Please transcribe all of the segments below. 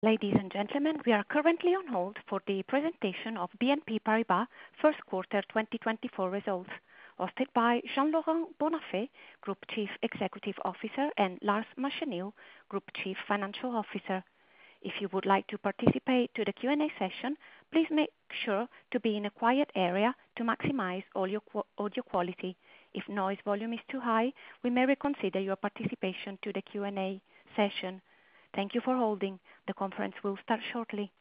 Ladies and gentlemen, we are currently on hold for the presentation of BNP Paribas 1Q 2024 results, hosted by Jean-Laurent Bonnafé, Group Chief Executive Officer, and Lars Machenil, Group Chief Financial Officer. If you would like to participate to the Q&A session, please make sure to be in a quiet area to maximize all your question audio quality. If noise volume is too high, we may reconsider your participation to the Q&A session. Thank you for holding. The conference will start shortly.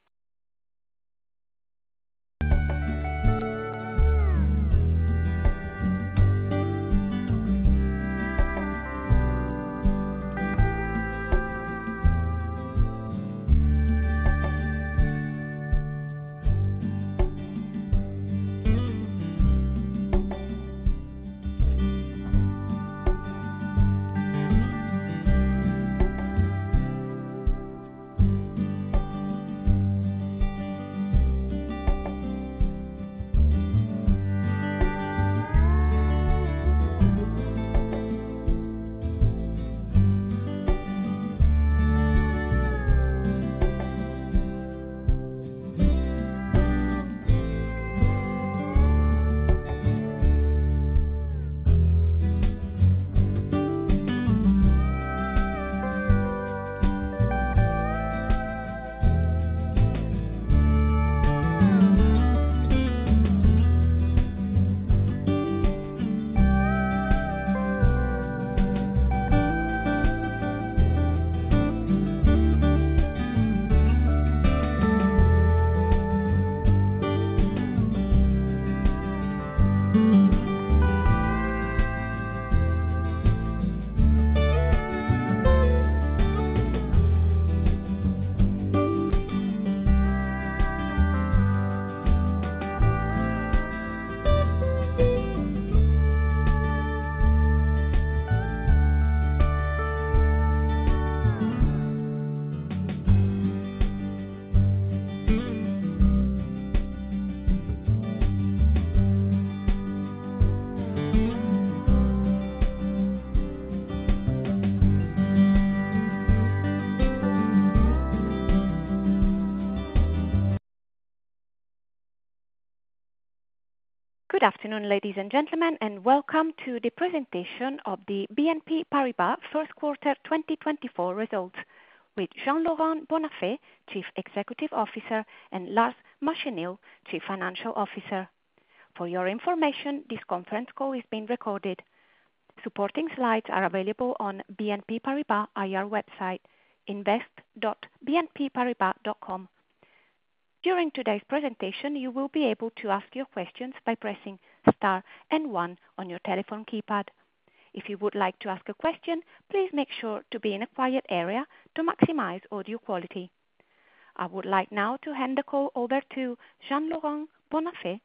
Good afternoon, ladies and gentlemen, and welcome to the presentation of the BNP Paribas 1Q 2024 results, with Jean-Laurent Bonnafé, Chief Executive Officer, and Lars Machenil, Chief Financial Officer. For your information, this conference call is being recorded. Supporting slides are available on BNP Paribas IR website, invest.bnpparibas.com. During today's presentation, you will be able to ask your questions by pressing star and one on your telephone keypad. If you would like to ask a question, please make sure to be in a quiet area to maximize audio quality. I would like now to hand the call over to Jean-Laurent Bonnafé,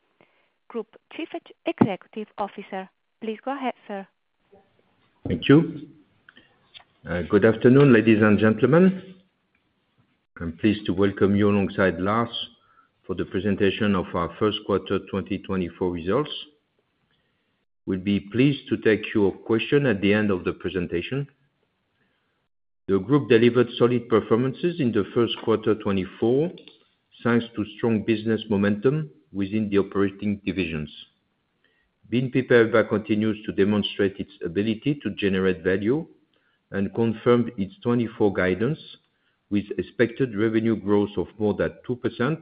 Group Chief Executive Officer. Please go ahead, sir. Thank you. Good afternoon, ladies and gentlemen. I'm pleased to welcome you alongside Lars for the presentation of our 1Q 2024 results. We'll be pleased to take your question at the end of the presentation. The group delivered solid performances in the 1Q 2024, thanks to strong business momentum within the operating divisions. BNP Paribas continues to demonstrate its ability to generate value and confirm its 2024 guidance, with expected revenue growth of more than 2%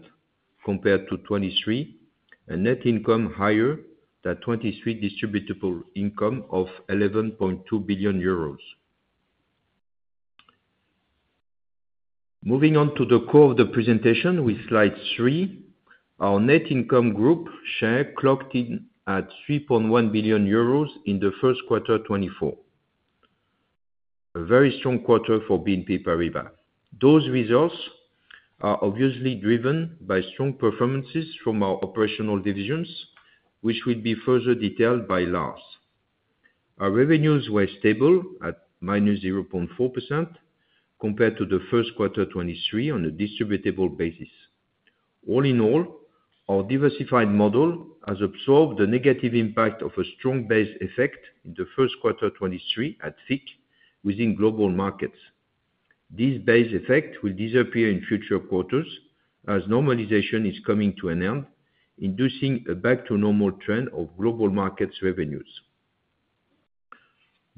compared to 2023, a net income higher than 2023 distributable income of EUR 11.2 billion. Moving on to the core of the presentation with slide 3, our net income group share clocked in at 3.1 billion euros in the 1Q 2024. A very strong quarter for BNP Paribas. Those results are obviously driven by strong performances from our operational divisions, which will be further detailed by Lars. Our revenues were stable at -0.4% compared to the 1Q 2023 on a distributable basis. All in all, our diversified model has absorbed the negative impact of a strong base effect in the 1Q 2023 at FICC within Global Markets. This base effect will disappear in future quarters as normalization is coming to an end, inducing a back to normal trend of Global Markets revenues.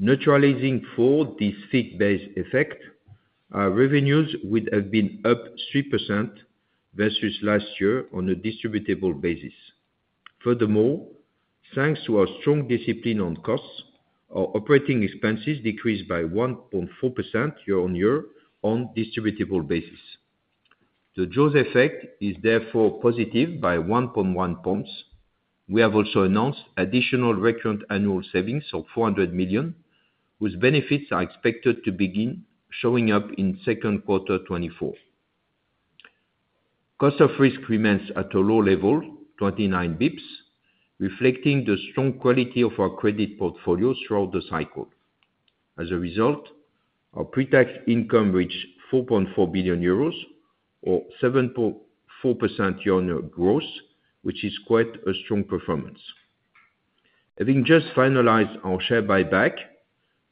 Normalizing for this FICC base effect, our revenues would have been up 3% versus last year on a distributable basis. Furthermore, thanks to our strong discipline on costs, our operating expenses decreased by 1.4% year-on-year on distributable basis. The Jaws effect is therefore positive by 1.1 points. We have also announced additional recurrent annual savings of 400 million, whose benefits are expected to begin showing up in 2Q 2024. Cost of risk remains at a low level, 29 basis points, reflecting the strong quality of our credit portfolio throughout the cycle. As a result, our pre-tax income reached 4.4 billion euros or 7.4% year-on-year growth, which is quite a strong performance.... Having just finalized our share buyback,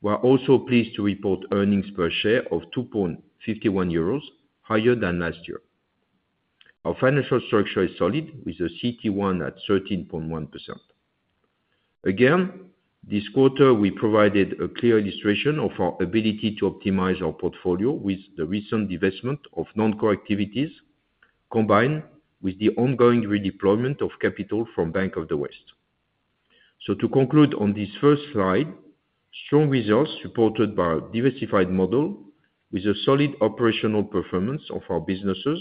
we're also pleased to report earnings per share of 2.51 euros, higher than last year. Our financial structure is solid, with a CET1 at 13.1%. Again, this quarter, we provided a clear illustration of our ability to optimize our portfolio with the recent divestment of non-core activities, combined with the ongoing redeployment of capital from Bank of the West. So to conclude on this first slide, strong results supported by our diversified model, with a solid operational performance of our businesses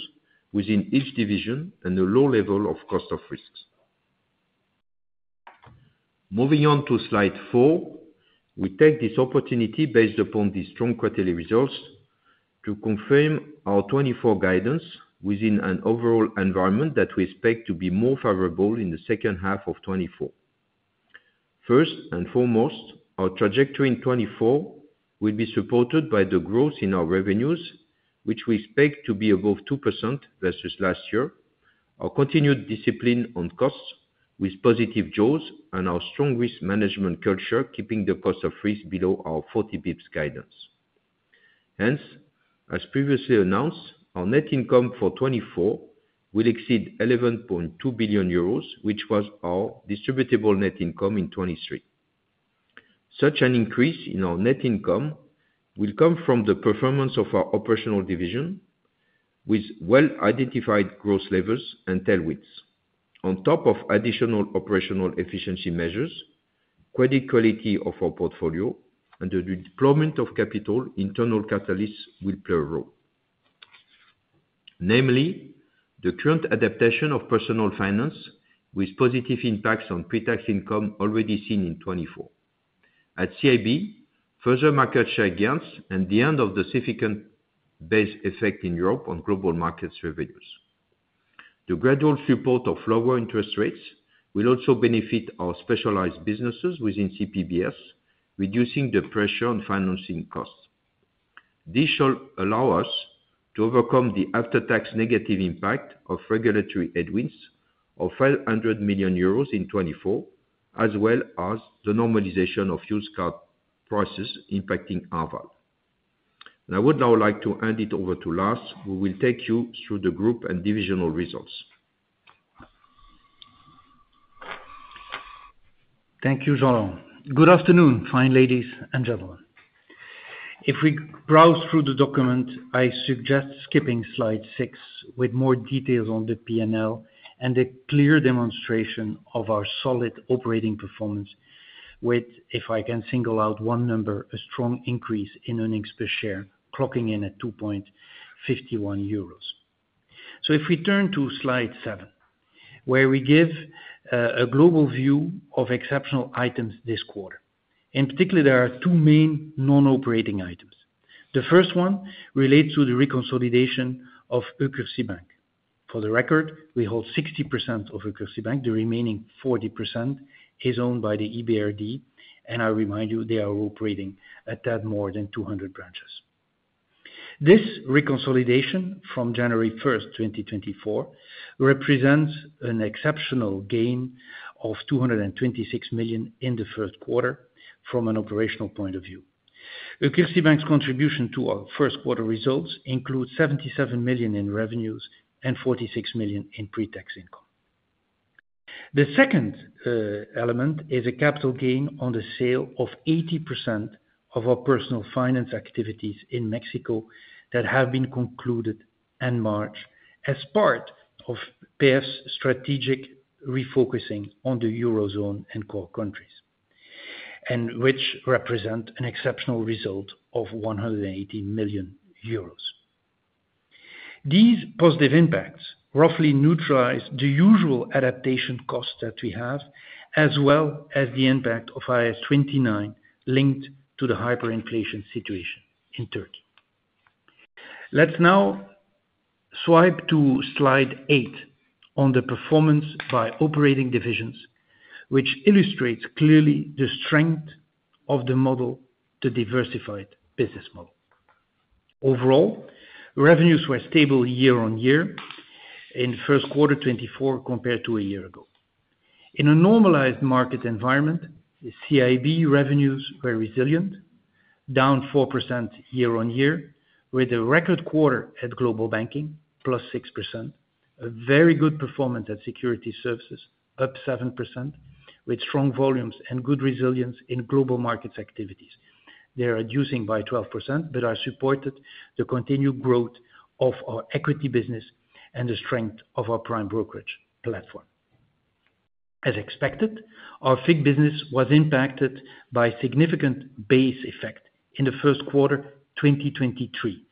within each division and a low level of cost of risks. Moving on to slide four, we take this opportunity based upon these strong quarterly results, to confirm our 2024 guidance within an overall environment that we expect to be more favorable in the H2 of 2024. First and foremost, our trajectory in 2024 will be supported by the growth in our revenues, which we expect to be above 2% versus last year. Our continued discipline on costs with positive jaws and our strong risk management culture, keeping the cost of risk below our 40 bps guidance. Hence, as previously announced, our net income for 2024 will exceed 11.2 billion euros, which was our distributable net income in 2023. Such an increase in our net income will come from the performance of our operational division, with well-identified growth levers and tailwinds. On top of additional operational efficiency measures, credit quality of our portfolio, and the deployment of capital, internal catalysts will play a role. Namely, the current adaptation of Personal Finance, with positive impacts on pre-tax income already seen in 2024. At CIB, further market share gains and the end of the significant base effect in Europe on Global Markets revenues. The gradual support of lower interest rates will also benefit our Specialized Businesses within CPBS, reducing the pressure on Financing costs. This shall allow us to overcome the after-tax negative impact of regulatory headwinds of 500 million euros in 2024, as well as the normalization of used car prices impacting Arval. And I would now like to hand it over to Lars, who will take you through the group and divisional results. Thank you, Jean. Good afternoon, fine ladies and gentlemen. If we browse through the document, I suggest skipping slide six with more details on the P&L, and a clear demonstration of our solid operating performance with, if I can single out one number, a strong increase in earnings per share, clocking in at 2.51 euros. So if we turn to slide seven, where we give a global view of exceptional items this quarter. In particular, there are two main non-operating items. The first one relates to the reconsolidation of UkrSibbank. For the record, we hold 60% of UkrSibbank. The remaining 40% is owned by the EBRD, and I remind you, they are operating at that more than 200 branches. This reconsolidation from January 1, 2024, represents an exceptional gain of 226 million in the 1Q from an operational point of view. UkrSibbank's contribution to our 1Q results includes 77 million in revenues and 46 million in pre-tax income. The second, element is a capital gain on the sale of 80% of our Personal Finance activities in Mexico that have been concluded in March, as part of PF's strategic refocusing on the Eurozone and core countries, and which represent an exceptional result of 180 million euros. These positive impacts roughly neutralize the usual adaptation costs that we have, as well as the impact of IAS 29, linked to the hyperinflation situation in Turkey. Let's now swipe to slide 8 on the performance by operating divisions, which illustrates clearly the strength of the model, the diversified business model. Overall, revenues were stable year-on-year in 1Q 2024, compared to a year ago. In a normalized market environment, the CIB revenues were resilient, down 4% year-on-year, with a record quarter at Global Banking, +6%. A very good performance at Securities Services, up 7%, with strong volumes and good resilience in Global Markets activities. They are reducing by 12%, but are supported the continued growth of our equity business and the strength of our prime brokerage platform. As expected, our FICC business was impacted by significant base effect in the 1Q 2023,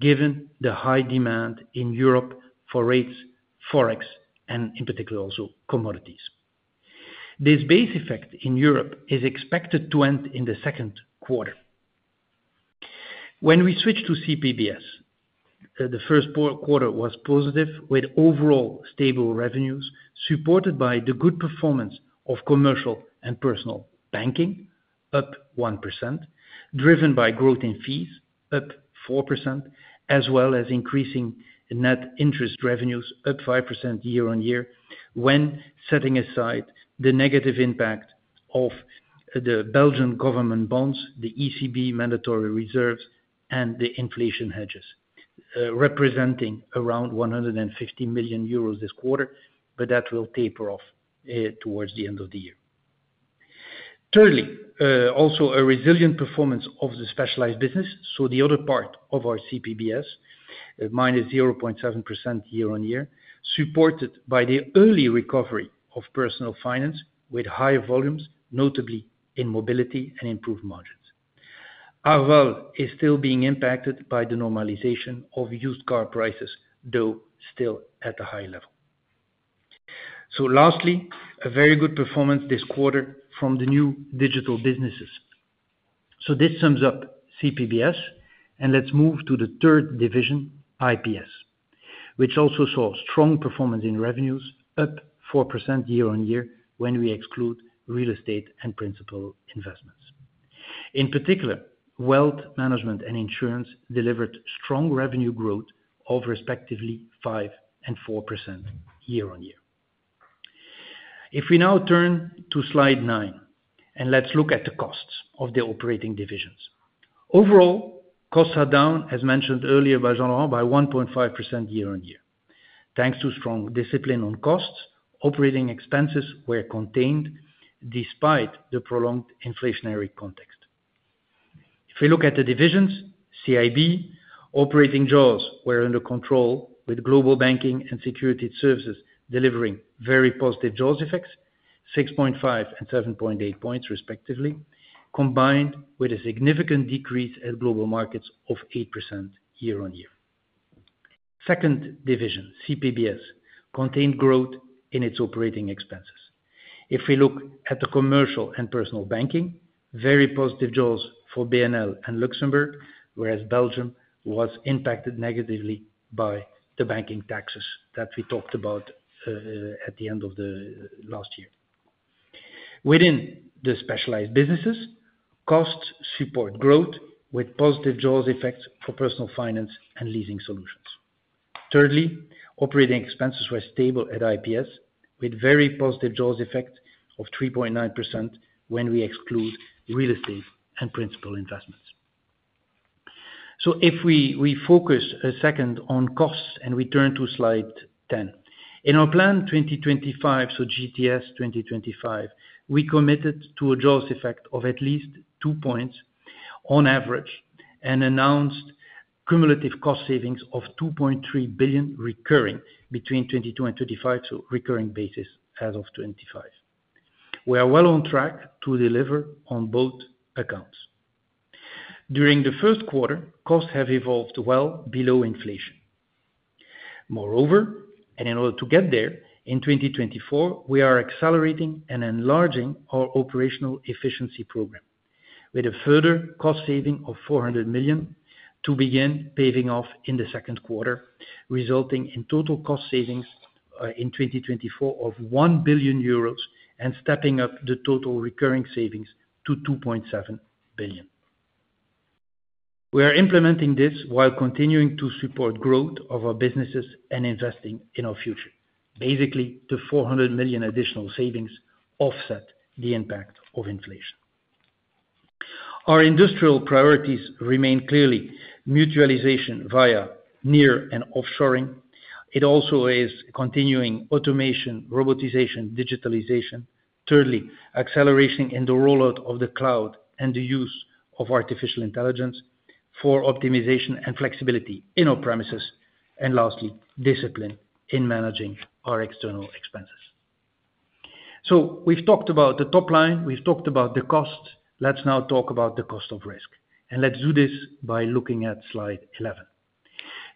given the high demand in Europe for rates, Forex, and in particular, also commodities. This base effect in Europe is expected to end in the 2Q. When we switch to CPBS, the 1Q was positive, with overall stable revenues, supported by the good performance of Commercial & Personal Banking, up 1%, driven by growth in fees, up 4%, as well as increasing net interest revenues, up 5% year-on-year, when setting aside the negative impact of the Belgian government bonds, the ECB mandatory reserves, and the inflation hedges, representing around 150 million euros this quarter, but that will taper off towards the end of the year. Thirdly, also a resilient performance of the specialized business, so the other part of our CPBS, - 0.7% year-on-year, supported by the early recovery of Personal Finance with higher volumes, notably in mobility and improved margins. Arval is still being impacted by the normalization of used car prices, though still at a high level. So lastly, a very good performance this quarter New Digital Businessesss. so this sums up CPBS, and let's move to the third division, IPS, which also saw strong performance in revenues, up 4% year-on-year, when we exclude Real Estate and Principal Investments. In particular, Wealth Management and Insurance delivered strong revenue growth of respectively 5% and 4% year-on-year. If we now turn to slide 9, and let's look at the costs of the operating divisions. Overall, costs are down, as mentioned earlier by Jean-Laurent, by 1.5% year-on-year. Thanks to strong discipline on costs, operating expenses were contained despite the prolonged inflationary context. If we look at the divisions, CIB, operating jaws were under control with Global Banking and securities services delivering very positive jaws effects, 6.5 and 7.8 points, respectively, combined with a significant decrease at global markets of 8% year-on-year. Second division, CPBS, contained growth in its operating expenses. If we look at the Commercial & Personal Banking, very positive jaws for BNL and Luxembourg, whereas Belgium was impacted negatively by the banking taxes that we talked about at the end of the last year. Within the specialized businesses, costs support growth with positive jaws effects for Personal Finance and Leasing Solutions. Thirdly, operating expenses were stable at IPS, with very positive jaws effect of 3.9% when we exclude Real Estate and Principal Investments. So if we focus a second on costs and we turn to slide 10. In our plan 2025, so GTS 2025, we committed to a jaws effect of at least 2 points on average, and announced cumulative cost savings of 2.3 billion recurring between 2022 and 2025 to recurring basis as of 2025. We are well on track to deliver on both accounts. During the 1Q, costs have evolved well below inflation. Moreover, and in order to get there, in 2024, we are accelerating and enlarging our operational efficiency program with a further cost saving of 400 million to begin paying off in the 2Q, resulting in total cost savings in 2024 of 1 billion euros and stepping up the total recurring savings to 2.7 billion. We are implementing this while continuing to support growth of our businesses and investing in our future. Basically, the 400 million additional savings offset the impact of inflation. Our industrial priorities remain clearly mutualization via nearshoring and offshoring. It also is continuing automation, robotization, digitalization. Thirdly, acceleration in the rollout of the cloud and the use of artificial intelligence for optimization and flexibility in our premises. And lastly, discipline in managing our external expenses. So we've talked about the top line, we've talked about the cost. Let's now talk about the cost of risk, and let's do this by looking at slide 11.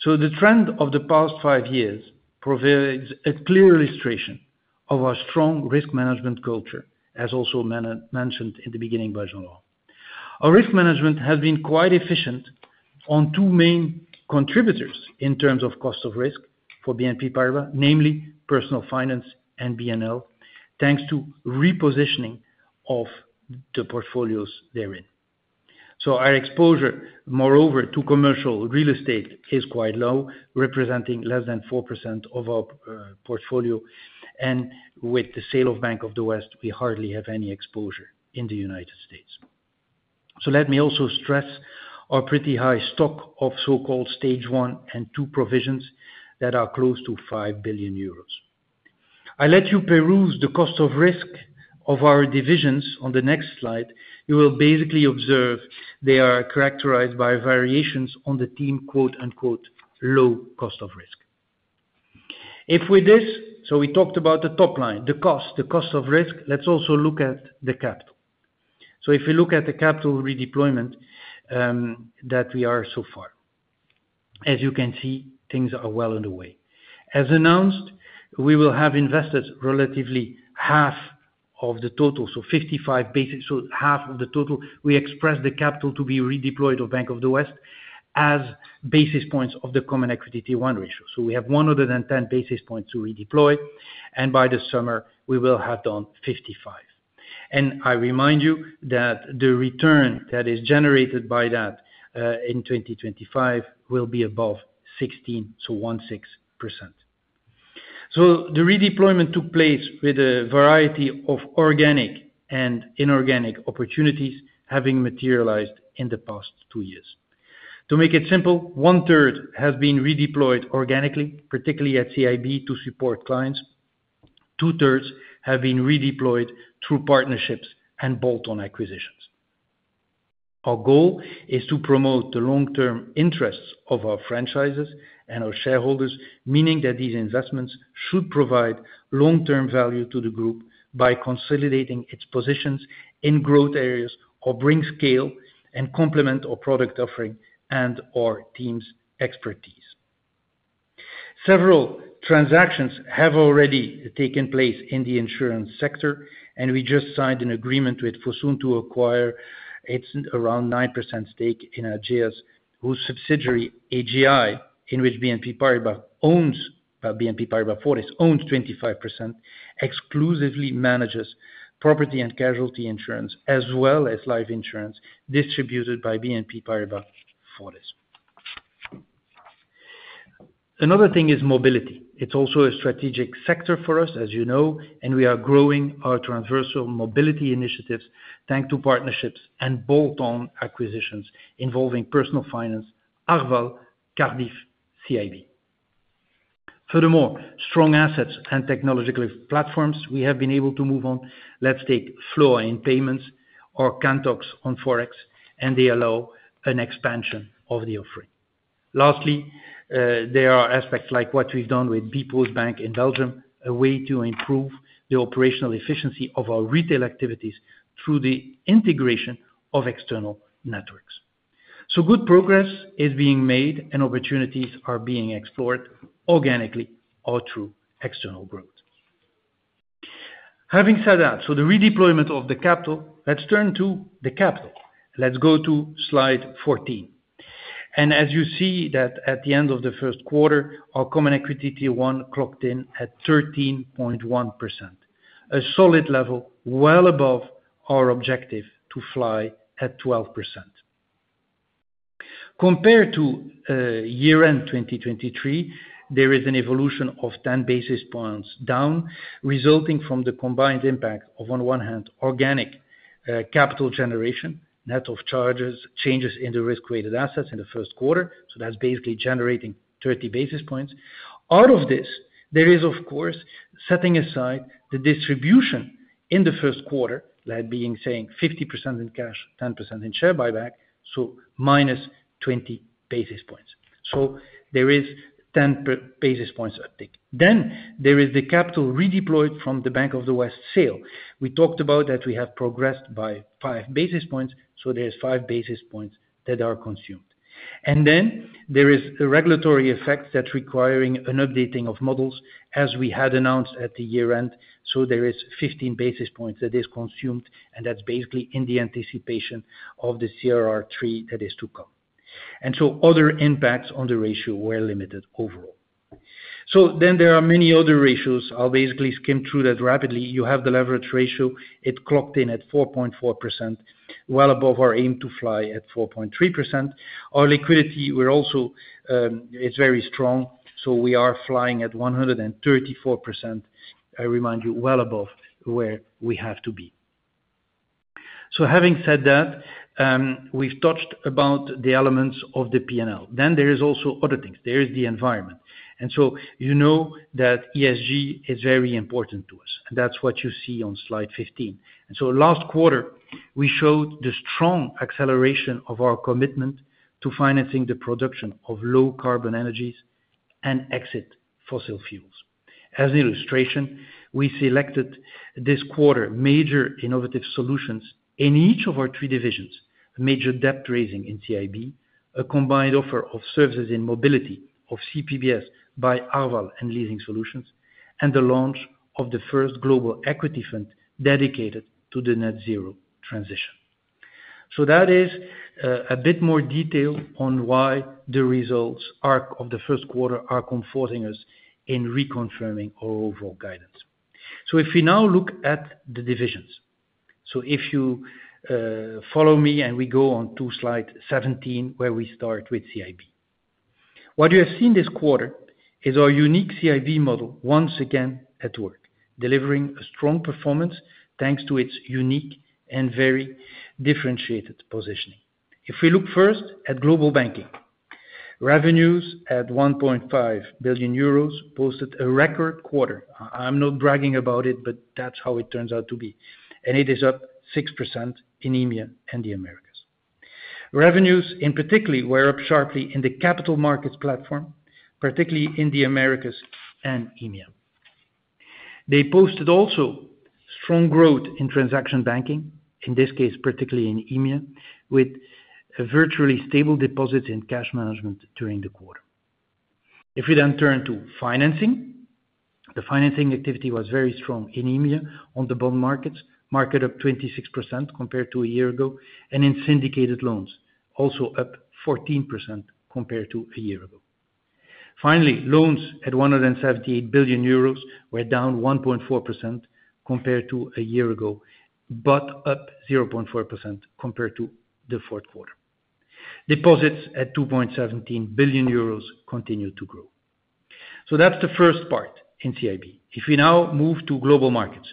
So the trend of the past five years provides a clear illustration of our strong risk management culture, as also mentioned in the beginning by Jean-Laurent. Our risk management has been quite efficient on two main contributors in terms of cost of risk for BNP Paribas, namely Personal Finance and BNL, thanks to repositioning of the portfolios therein. So our exposure, moreover, to commercial Real Estate is quite low, representing less than 4% of our portfolio, and with the sale of Bank of the West, we hardly have any exposure in the United States. So let me also stress our pretty high stock of so-called Stage I and II provisions that are close to 5 billion euros. I let you peruse the cost of risk of our divisions on the next slide. You will basically observe they are characterized by variations on the theme, quote, unquote, "low cost of risk." With this, so we talked about the top line, the cost, the cost of risk. Let's also look at the capital. So if you look at the capital redeployment that we are so far. As you can see, things are well underway. As announced, we will have invested relatively 1/2 of the total, so 55 basis, so half of the total, we expressed the capital to be redeployed to Bank of the West as basis points of the Common Equity Tier 1 ratio. So we have 110 basis points to redeploy, and by the summer, we will have done 55. And I remind you that the return that is generated by that in 2025 will be above 16, so 16%. So the redeployment took place with a variety of organic and inorganic opportunities having materialized in the past two years. To make it simple, one-third has been redeployed organically, particularly at CIB, to support clients. Two-thirds have been redeployed through partnerships and bolt-on acquisitions. Our goal is to promote the long-term interests of our franchises and our shareholders, meaning that these investments should provide long-term value to the group by consolidating its positions in growth areas or bring scale and complement our product offering and our team's expertise. Several transactions have already taken place in the insurance sector, and we just signed an agreement with Fosun to acquire its around 9% stake in Ageas, whose subsidiary, AGI, in which BNP Paribas Cardif owns 25%, exclusively manages property and casualty insurance as well as life insurance distributed by BNP Paribas Cardif. Another thing is mobility. It's also a strategic sector for us, as you know, and we are growing our transversal mobility initiatives, thanks to partnerships and bolt-on acquisitions involving Personal Finance, Arval, Cardif, CIB. Furthermore, strong assets and technological platforms we have been able to move on. Let's take Floa in payments or Kantox on Forex, and they allow an expansion of the offering. Lastly, there are aspects like what we've done with bpost bank in Belgium, a way to improve the operational efficiency of our retail activities through the integration of external networks. So good progress is being made and opportunities are being explored organically or through external growth. Having said that, so the redeployment of the capital, let's turn to the capital. Let's go to slide 14. As you see that at the end of the 1Q, our Common Equity Tier 1 clocked in at 13.1%, a solid level well above our objective to fly at 12%. Compared to year-end 2023, there is an evolution of 10 basis points down, resulting from the combined impact of, on one hand, organic capital generation, net of charges, changes in the risk-weighted assets in the 1Q, so that's basically generating 30 basis points. Out of this, there is, of course, setting aside the distribution in the 1Q, that being saying 50% in cash, 10% in share buyback, so minus 20 basis points. So there is 10 basis points uptick. Then there is the capital redeployed from the Bank of the West sale. We talked about that we have progressed by 5 basis points, so there's 5 basis points that are consumed. And then there is the regulatory effects that's requiring an updating of models, as we had announced at the year-end. So there is 15 basis points that is consumed, and that's basically in the anticipation of the CRR3 that is to come. And so other impacts on the ratio were limited overall. So then there are many other ratios. I'll basically skim through that rapidly. You have the leverage ratio. It clocked in at 4.4%, well above our aim to fly at 4.3%. Our liquidity, we're also, it's very strong, so we are flying at 134%, I remind you, well above where we have to be. So having said that, we've touched about the elements of the P&L. Then there is also other things. There is the environment. And so you know that ESG is very important to us, and that's what you see on slide 15. And so last quarter, we showed the strong acceleration of our commitment to financing the production of low-carbon energies and exit fossil fuels. As an illustration, we selected this quarter major innovative solutions in each of our three divisions: a major debt raising in CIB, a combined offer of services in mobility of CPBS by Arval and Leasing Solutions, and the launch of the first global equity fund dedicated to the net zero transition. So that is a bit more detail on why the results are of the 1Q are comforting us in reconfirming our overall guidance. So if we now look at the divisions, so if you follow me and we go on to slide 17, where we start with CIB. What you have seen this quarter is our unique CIB model once again at work, delivering a strong performance, thanks to its unique and very differentiated positioning. If we look first at Global Banking, revenues of 1.5 billion euros posted a record quarter. I'm not bragging about it, but that's how it turns out to be, and it is up 6% in EMEA and the Americas. Revenues, in particular, were up sharply in the capital markets platform, particularly in the Americas and EMEA. They posted also strong growth Transaction Banking, in this case, particularly in EMEA, with virtually stable deposits in cash management during the quarter. If we then turn to financing, the financing activity was very strong in EMEA on the bond markets, markets up 26% compared to a year ago, and in syndicated loans, also up 14% compared to a year ago. Finally, loans at 178 billion euros were down 1.4% compared to a year ago, but up 0.4% compared to the 4Q. Deposits at 2.17 billion euros continued to grow. So that's the first part in CIB. If we now move to global markets,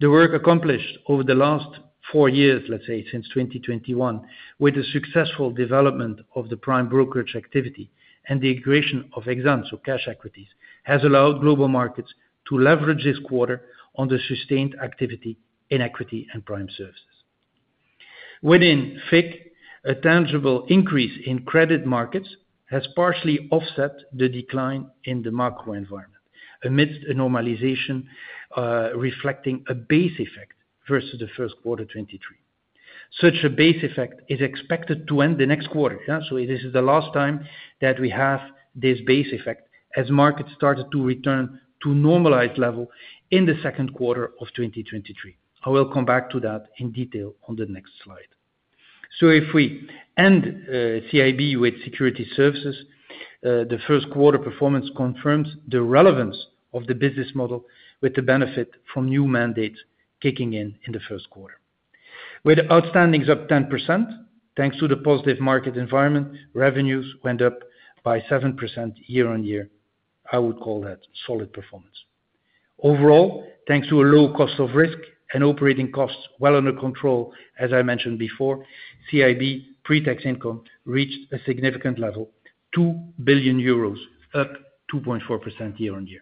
the work accomplished over the last four years, let's say, since 2021, with the successful development of the prime brokerage activity and the integration of examples of cash equities, has allowed global markets to leverage this quarter on the sustained activity in equity and prime services. Within FIC, a tangible increase in credit markets has partially offset the decline in the macro environment amidst a normalization, reflecting a base effect versus the 1Q 2023. Such a base effect is expected to end the next quarter, yeah, so this is the last time that we have this base effect as markets started to return to normalized level in the 2Q of 2023. I will come back to that in detail on the next slide. So if we end, CIB with Security Services, the 1Q performance confirms the relevance of the business model with the benefit from new mandates kicking in, in the 1Q. With outstandings up 10%, thanks to the positive market environment, revenues went up by 7% year-on-year. I would call that solid performance. Overall, thanks to a low cost of risk and operating costs well under control, as I mentioned before, CIB pre-tax income reached a significant level, 2 billion euros, up 2.4% year-on-year.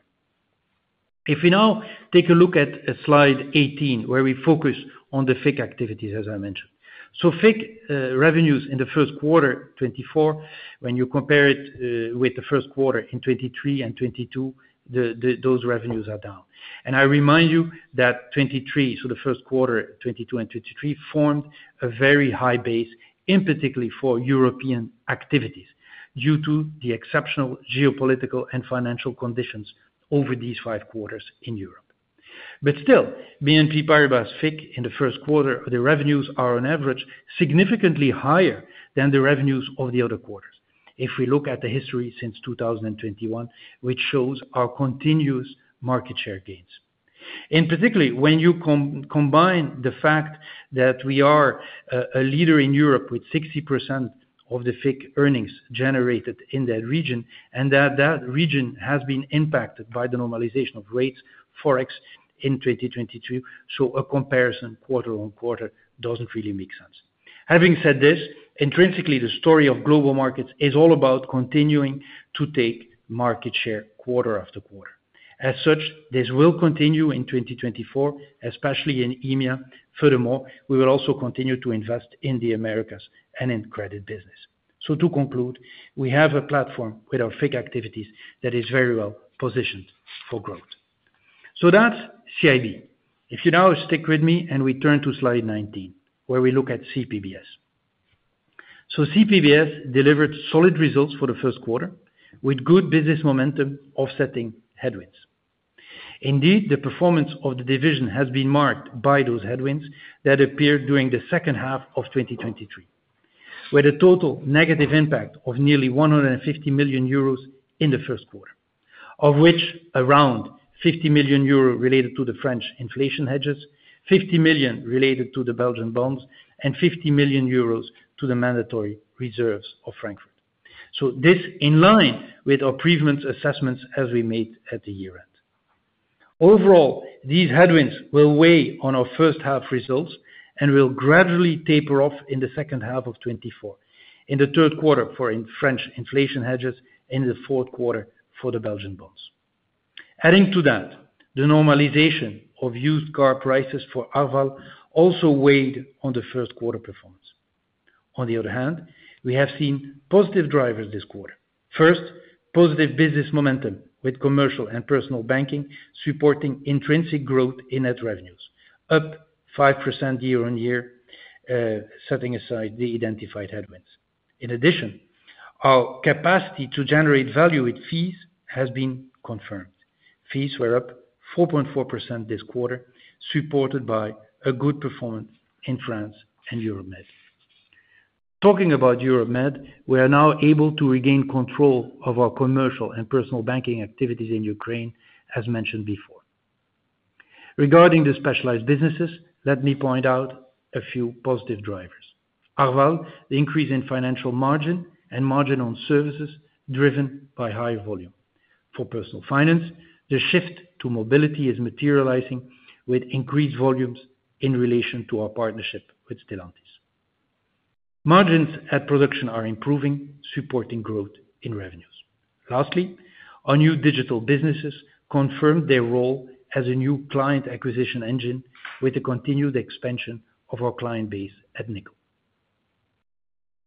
If we now take a look at slide 18, where we focus on the FICC activities, as I mentioned. So FICC revenues in the 1Q 2024, when you compare it with the 1Q in 2023 and 2022, those revenues are down. And I remind you that 2023, so the 1Q 2022 and 2023, formed a very high base, in particular for European activities, due to the exceptional geopolitical and financial conditions over these five quarters in Europe. But still, BNP Paribas FICC in the 1Q, the revenues are on average significantly higher than the revenues of the other quarters. If we look at the history since 2021, which shows our continuous market share gains. Particularly, when you combine the fact that we are a leader in Europe with 60% of the FICC earnings generated in that region, and that region has been impacted by the normalization of rates, Forex in 2022, so a comparison quarter-on-quarter doesn't really make sense. Having said this, intrinsically, the story of global markets is all about continuing to take market share quarter after quarter. As such, this will continue in 2024, especially in EMEA. Furthermore, we will also continue to invest in the Americas and in credit business. So to conclude, we have a platform with our FICC activities that is very well positioned for growth. So that's CIB. If you now stick with me and we turn to slide 19, where we look at CPBS. CPBS delivered solid results for the 1Q with good business momentum offsetting headwinds. Indeed, the performance of the division has been marked by those headwinds that appeared during the H2 of 2023, with a total negative impact of nearly 150 million euros in the 1Q, of which around 50 million euros related to the French inflation hedges, 50 million related to the Belgian bonds, and 50 million euros to the mandatory reserves of Frankfurt. So this in line with our previous assessments as we made at the year-end. Overall, these headwinds will weigh on our H1 results and will gradually taper off in the H2 of 2024, in the 3Q for in French inflation hedges, in the 4Q for the Belgian bonds. Adding to that, the normalization of used car prices for Arval also weighed on the 1Q performance. On the other hand, we have seen positive drivers this quarter. First, positive business momentum with Commercial & Personal Banking supporting intrinsic growth in net revenues, up 5% year-on-year, setting aside the identified headwinds. In addition, our capacity to generate value with fees has been confirmed. Fees were up 4.4% this quarter, supported by a good performance in France and Euromed. Talking about Euromed, we are now able to regain control of our Commercial & Personal Banking activities in Ukraine, as mentioned before. Regarding the specialized businesses, let me point out a few positive drivers. Arval, the increase in financial margin and margin on services driven by high volume. For Personal Finance, the shift to mobility is materializing with increased volumes in relation to our partnership with Stellantis. Margins at production are improving, supporting growth in revenues. New Digital Businessesss confirmed their role as a new client acquisition engine with the continued expansion of our client base at Nickel.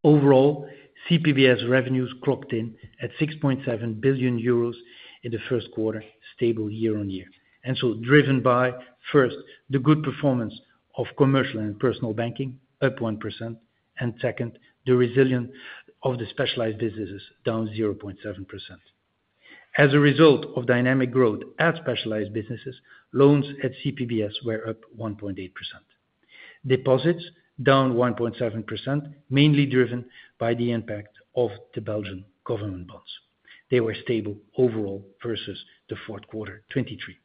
Overall, CPBS revenues clocked in at 6.7 billion euros in the 1Q, stable year-on-year, and so driven by, first, the good performance of Commercial & Personal Banking, up 1%, and second, the resilience of the specialized businesses, down 0.7%. As a result of dynamic growth at specialized businesses, loans at CPBS were up 1.8%. Deposits down 1.7%, mainly driven by the impact of the Belgian government bonds. They were stable overall versus the 4Q 2023.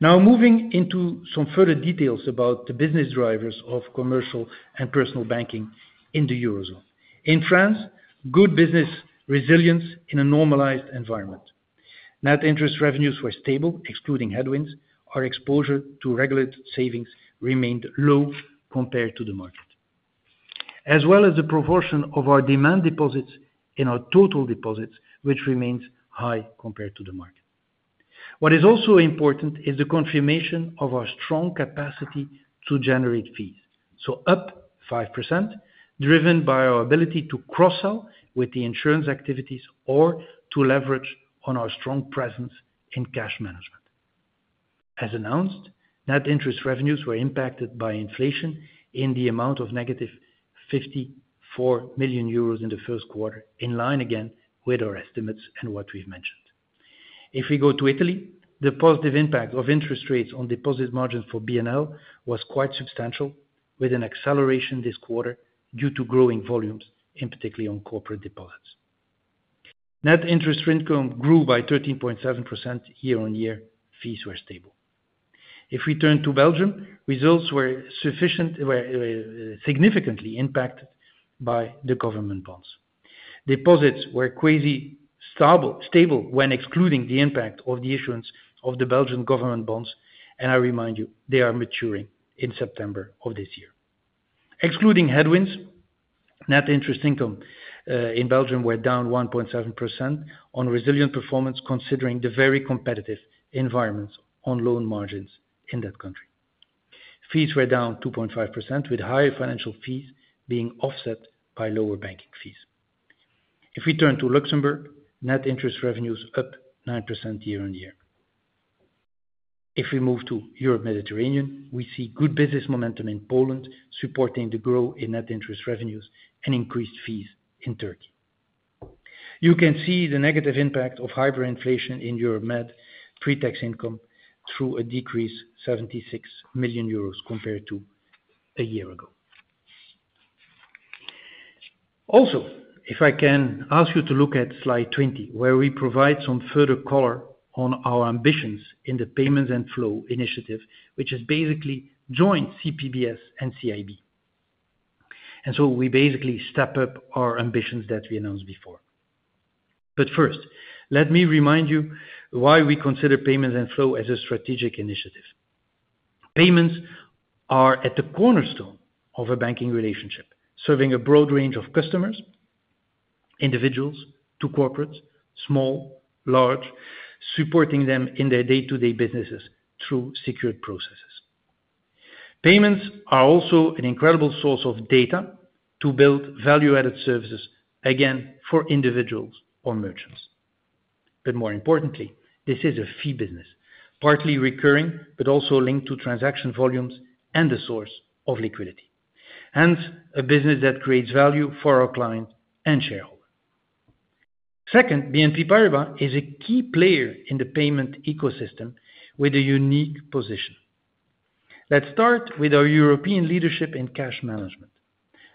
Now, moving into some further details about the business drivers of Commercial & Personal Banking in the Eurozone. In France, good business resilience in a normalized environment. Net interest revenues were stable, excluding headwinds. Our exposure to regulated savings remained low compared to the market, as well as the proportion of our demand deposits in our total deposits, which remains high compared to the market. What is also important is the confirmation of our strong capacity to generate fees. So up 5%, driven by our ability to cross-sell with the insurance activities or to leverage on our strong presence in cash management. As announced, net interest revenues were impacted by inflation in the amount of negative 54 million euros in the 1Q, in line again with our estimates and what we've mentioned. If we go to Italy, the positive impact of interest rates on deposit margins for BNL was quite substantial, with an acceleration this quarter due to growing volumes, in particularly on corporate deposits. Net interest income grew by 13.7% year-on-year. Fees were stable. If we turn to Belgium, results were sufficient, were significantly impacted by the government bonds. Deposits were quasi stable, stable when excluding the impact of the issuance of the Belgian government bonds, and I remind you, they are maturing in September of this year. Excluding headwinds, net interest income in Belgium were down 1.7% on resilient performance, considering the very competitive environments on loan margins in that country. Fees were down 2.5%, with higher financial fees being offset by lower banking fees. If we turn to Luxembourg, net interest revenues up 9% year-on-year. If we move to Europe, Mediterranean, we see good business momentum in Poland, supporting the growth in net interest revenues and increased fees in Turkey. You can see the negative impact of hyperinflation in Europe, Mediterranean pre-tax income through a decrease 76 million euros compared to a year ago. Also, if I can ask you to look at slide 20, where we provide some further color on our ambitions in thePayments & Flows initiative, which is basically joint CPBS and CIB. So we basically step up our ambitions that we announced before. But first, let me remind you why we considerPayments & Flows as a strategic initiative. Payments are at the cornerstone of a banking relationship, serving a broad range of customers, individuals to corporates, small, large, supporting them in their day-to-day businesses through secured processes. Payments are also an incredible source of data to build value-added services, again, for individuals or merchants. But more importantly, this is a fee business, partly recurring, but also linked to transaction volumes and the source of liquidity, hence a business that creates value for our client and shareholder. Second, BNP Paribas is a key player in the payment ecosystem with a unique position. Let's start with our European leadership in cash management.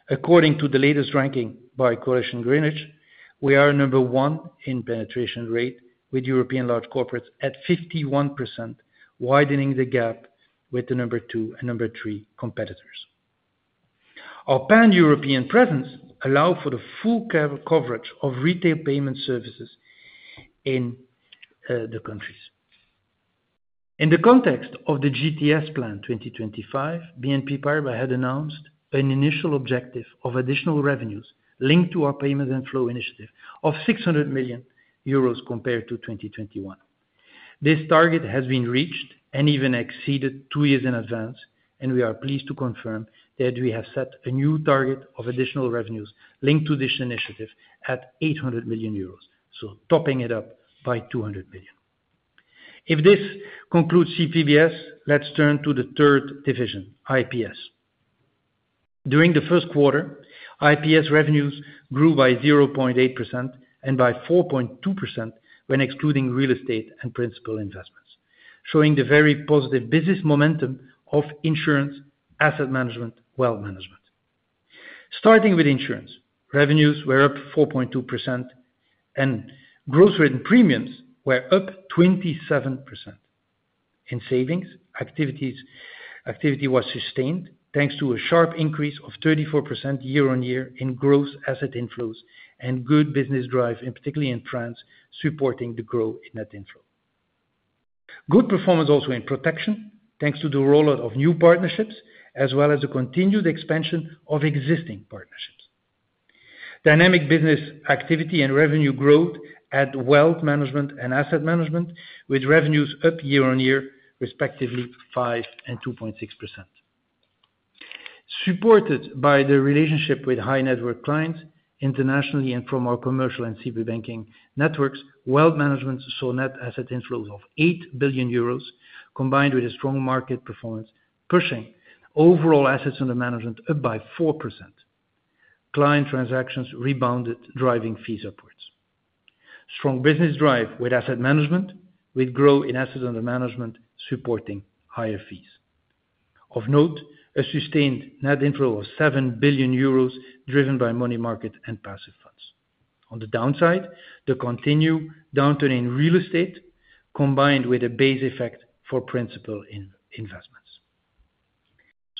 According to the latest ranking by Coalition Greenwich, we are number one in penetration rate with European large corporates at 51%, widening the gap with the number two and number three competitors. Our Pan-European presence allow for the full coverage of retail payment services in the countries. In the context of the GTS Plan 2025, BNP Paribas had announced an initial objective of additional revenues linked to ourPayments & Flows initiative of 600 million euros compared to 2021. This target has been reached and even exceeded two years in advance, and we are pleased to confirm that we have set a new target of additional revenues linked to this initiative at 800 million euros, so topping it up by 200 million. If this concludes CPBS, let's turn to the third division, IPS. During the 1Q, IPS revenues grew by 0.8% and by 4.2% when excluding Real Estate and Principal Investments, showing the very positive business momentum of insurance, Asset Management, Wealth Management. Starting with insurance, revenues were up 4.2% and gross written premiums were up 27%. In savings, activities, activity was sustained thanks to a sharp increase of 34% year-on-year in gross asset inflows and good business drive, in particular in France, supporting the growth in net inflow. Good performance also in protection, thanks to the rollout of new partnerships, as well as the continued expansion of existing partnerships. Dynamic business activity and revenue growth at Wealth Management and Asset Management, with revenues up year-on-year, respectively, 5% and 2.6%. Supported by the relationship with high net worth clients internationally and from our commercial and CB banking networks, Wealth Management saw net asset inflows of 8 billion euros, combined with a strong market performance, pushing overall assets under management up by 4%.... client transactions rebounded, driving fees upwards. Strong business drive with Asset Management, with growth in assets under management, supporting higher fees. Of note, a sustained net inflow of 7 billion euros, driven by money market and passive funds. On the downside, the continued downturn in Real Estate, combined with a base effect for Principal Investments.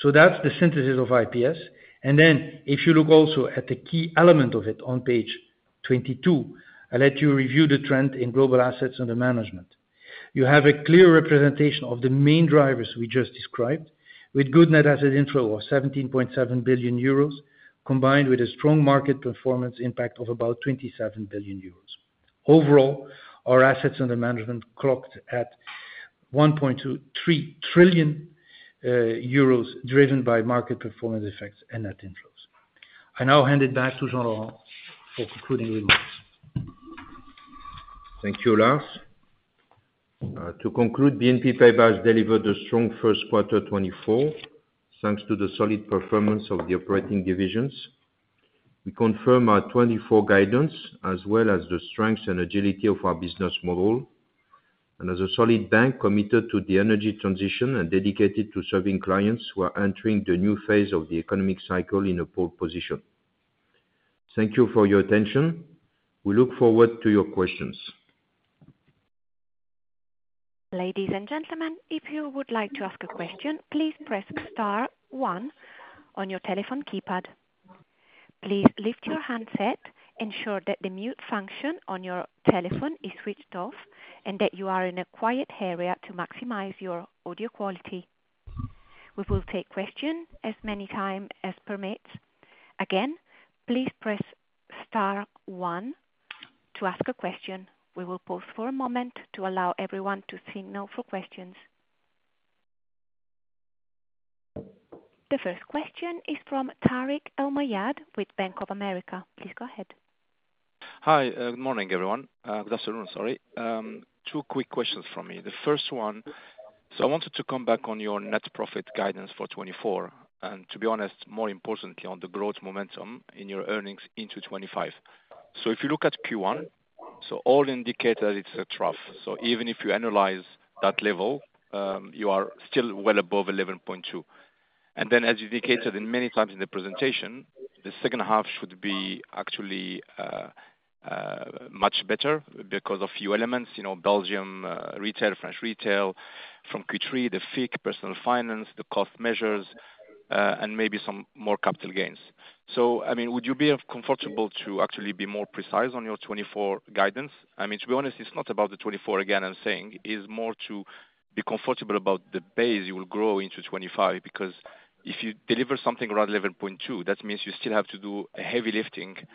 So that's the synthesis of IPS. And then, if you look also at the key element of it on page 22, I let you review the trend in global assets under management. You have a clear representation of the main drivers we just described, with good net asset inflow of 17.7 billion euros, combined with a strong market performance impact of about 27 billion euros. Overall, our assets under management clocked at 1.23 trillion, euros, driven by market performance effects and net inflows. I now hand it back to Jean-Laurent for concluding remarks. Thank you, Lars. To conclude, BNP Paribas delivered a strong 1Q 2024, thanks to the solid performance of the operating divisions. We confirm our 2024 guidance, as well as the strengths and agility of our business model. And as a solid bank committed to the energy transition and dedicated to serving clients, we are entering the new phase of the economic cycle in a pole position. Thank you for your attention. We look forward to your questions. Ladies and gentlemen, if you would like to ask a question, please press star one on your telephone keypad. Please lift your handset, ensure that the mute function on your telephone is switched off, and that you are in a quiet area to maximize your audio quality. We will take questions as many times as permits. Again, please press star one to ask a question. We will pause for a moment to allow everyone to signal for questions. The first question is from Tarik El Mejjad with Bank of America. Please go ahead. Hi, good morning, everyone. Good afternoon, sorry. Two quick questions from me. The first one: so I wanted to come back on your net profit guidance for 2024, and to be honest, more importantly, on the growth momentum in your earnings into 2025. So if you look at Q1, so all indicators, it's a trough. So even if you analyze that level, you are still well above 11.2%. And then, as you indicated in many times in the presentation, the H2 should be actually much better because of a few elements, you know, Belgium, retail, French retail, from Q3, the FIC, Personal Finance, the cost measures, and maybe some more capital gains. So, I mean, would you be comfortable to actually be more precise on your 2024 guidance? I mean, to be honest, it's not about the 2024 again, I'm saying, it's more to be comfortable about the base you will grow into 2025. Because if you deliver something around 11.2%, that means you still have to do a heavy lifting in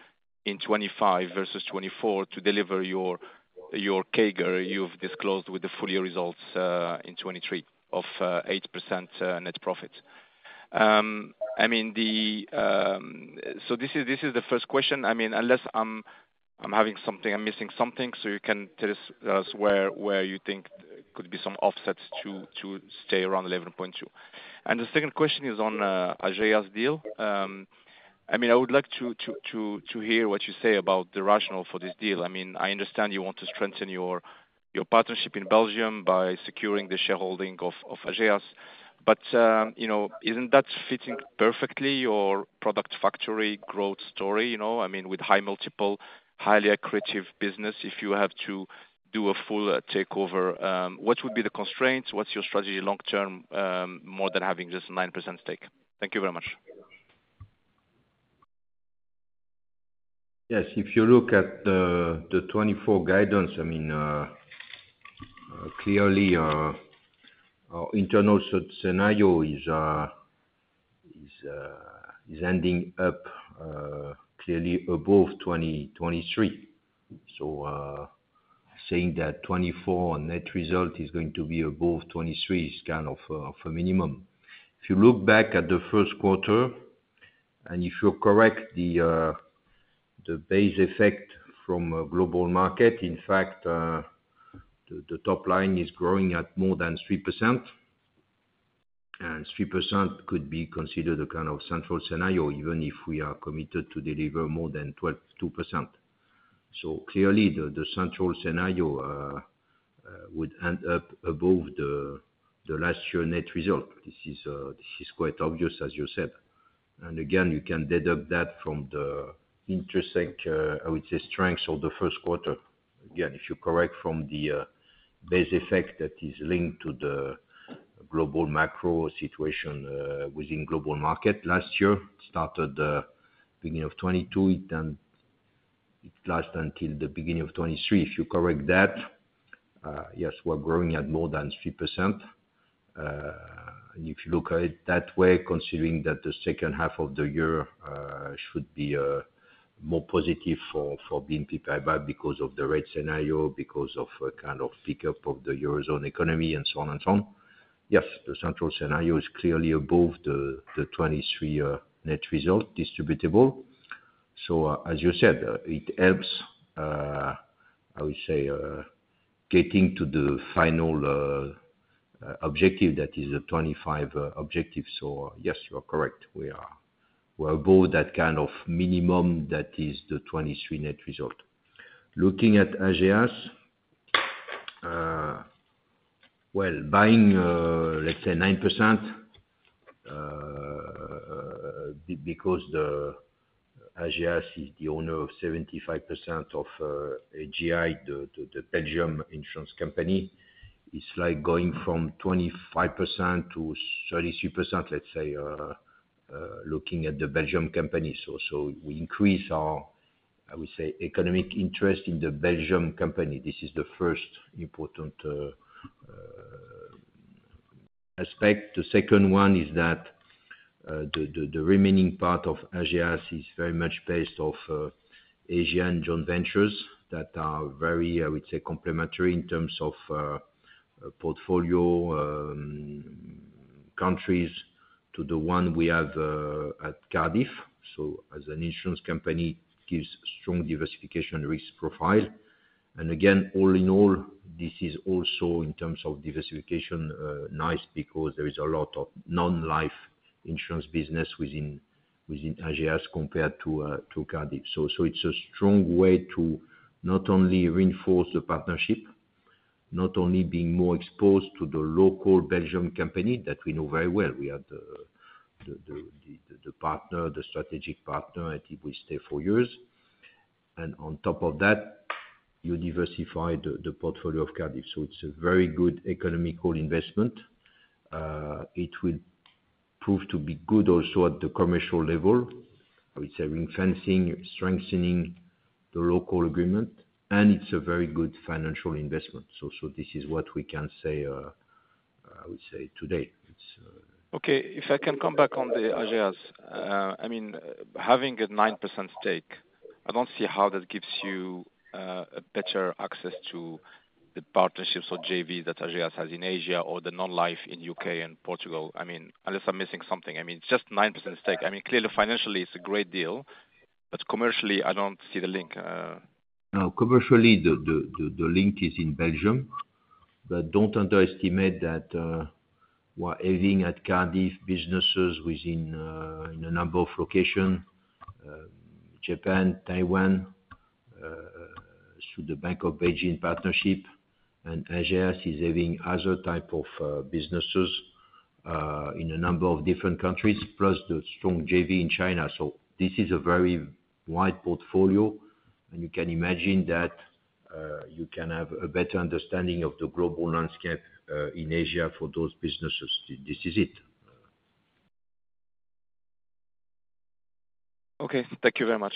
2025 versus 2024 to deliver your, your CAGR you've disclosed with the full year results, in 2023, of, 8% net profit. So this is, this is the first question. I mean, unless I'm, I'm having something, I'm missing something, so you can tell us where you think could be some offsets to stay around 11.2%. And the second question is on, Ageas deal. I mean, I would like to hear what you say about the rationale for this deal. I mean, I understand you want to strengthen your partnership in Belgium by securing the shareholding of Ageas. But, you know, isn't that fitting perfectly your product factory growth story you know? I mean, with high multiple, highly accretive business, if you have to do a full takeover, what would be the constraints? What's your strategy long term, more than having just 9% stake? Thank you very much. Yes, if you look at the 2024 guidance, I mean, clearly, our internal scenario is ending up clearly above 2023. So, saying that 2024 net result is going to be above 2023 is kind of the minimum. If you look back at the 1Q, and if you're correct, the base effect from Global Markets, in fact, the top line is growing at more than 3%. And 3% could be considered a kind of central scenario, even if we are committed to deliver more than 12.2%. So clearly, the central scenario would end up above the last year net result. This is quite obvious, as you said. Again, you can deduct that from the intersection, I would say, strengths of the 1Q. Again, if you correct from the base effect that is linked to the global macro situation within Global Markets last year started beginning of 2022, it end, it last until the beginning of 2023. If you correct that, yes, we're growing at more than 3%. If you look at it that way, considering that the H2 of the year should be more positive for BNP Paribas, because of the rate scenario, because of a kind of pickup of the Eurozone economy, and so on and so on, yes, the central scenario is clearly above the 2023 net result distributable. So, as you said, it helps, I would say, getting to the final... objective, that is a 25 objective. So yes, you are correct. We are above that kind of minimum that is the 23 net result. Looking at Ageas, well, buying, let's say 9%, because Ageas is the owner of 75% of AGI, the Belgian insurance company, it's like going from 25% to 33%, let's say, looking at the Belgian company. So we increase our, I would say, economic interest in the Belgian company. This is the first important aspect. The second one is that, the remaining part of Ageas is very much based off of Asian joint ventures that are very, I would say, complementary in terms of portfolio countries to the one we have at Cardif. So as an insurance company, it gives strong diversification risk profile. And again, all in all, this is also in terms of diversification, nice, because there is a lot of non-life insurance business within Ageas compared to Cardif. So it's a strong way to not only reinforce the partnership, not only being more exposed to the local Belgian company that we know very well. We are the partner, the strategic partner, I think will stay for years. And on top of that, you diversify the portfolio of Cardif. So it's a very good economical investment. It will prove to be good also at the commercial level, I would say, reinforcing, strengthening the local agreement, and it's a very good financial investment. So this is what we can say, I would say today, it's Okay. If I can come back on the Ageas. I mean, having a 9% stake, I don't see how that gives you a better access to the partnerships or JV that Ageas has in Asia or the non-life in UK and Portugal. I mean, unless I'm missing something, I mean, it's just 9% stake. I mean, clearly financially, it's a great deal, but commercially, I don't see the link. No, commercially, the link is in Belgium, but don't underestimate that, we're having at Cardif businesses within in a number of locations, Japan, Taiwan, through the Bank of Beijing partnership. And Ageas is having other type of businesses in a number of different countries, plus the strong JV in China. So this is a very wide portfolio, and you can imagine that you can have a better understanding of the global landscape in Asia for those businesses. This is it. Okay. Thank you very much.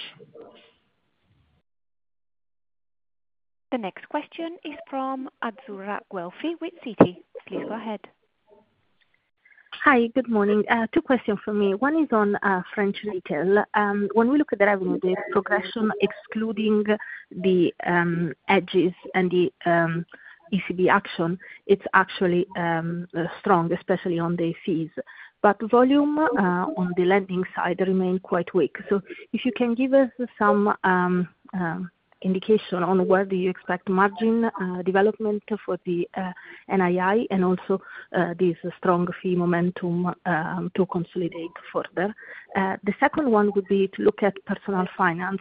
The next question is from Azzurra Guelfi with Citi. Please go ahead. Hi, good morning. Two questions for me. One is on French retail. When we look at the revenue, the progression, excluding the hedges and the ECB action, it's actually strong, especially on the fees. But volume on the lending side remain quite weak. So if you can give us some indication on where do you expect margin development for the NII, and also this strong fee momentum to consolidate further. The second one would be to look at Personal Finance.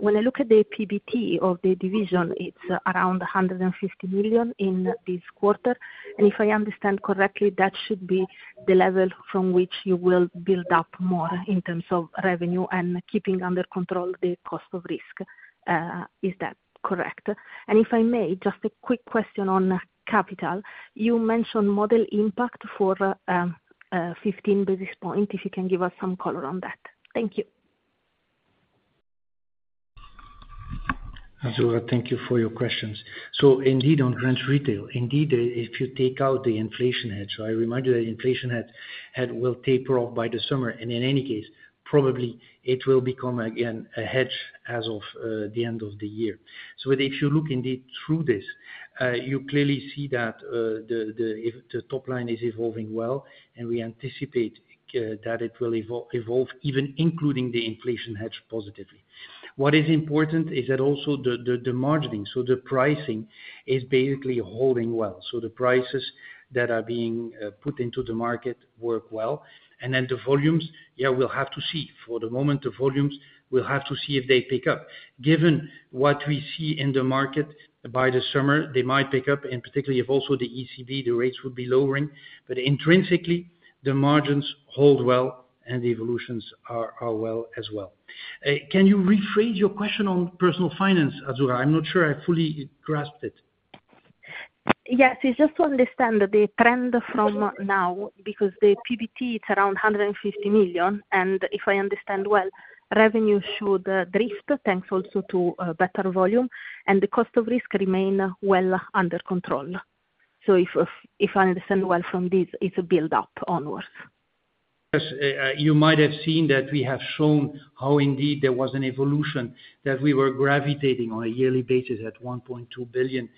When I look at the PBT of the division, it's around 150 million in this quarter. And if I understand correctly, that should be the level from which you will build up more in terms of revenue and keeping under control the cost of risk. Is that correct? If I may, just a quick question on capital. You mentioned model impact for 15 basis point, if you can give us some color on that. Thank you. Azzurra, thank you for your questions. So indeed, on French retail, indeed, if you take out the inflation hedge, so I remind you that inflation hedge, hedge will taper off by the summer, and in any case, probably it will become again a hedge as of the end of the year. So if you look indeed through this, you clearly see that the if the top line is evolving well, and we anticipate that it will evolve, even including the inflation hedge positively. What is important is that also the margining, so the pricing is basically holding well. So the prices that are being put into the market work well. And then the volumes, yeah, we'll have to see. For the moment, the volumes, we'll have to see if they pick up. Given what we see in the market, by the summer, they might pick up, and particularly if also the ECB, the rates would be lowering. But intrinsically, the margins hold well and the evolutions are well as well. Can you rephrase your question on Personal Finance, Azura? I'm not sure I fully grasped it. Yes, it's just to understand the trend from now, because the PBT, it's around 150 million, and if I understand well, revenue should drift, thanks also to better volume, and the cost of risk remain well under control. So if I understand well from this, it's a build-up onwards. ... Yes, you might have seen that we have shown how indeed there was an evolution, that we were gravitating on a yearly basis at 1.2 billion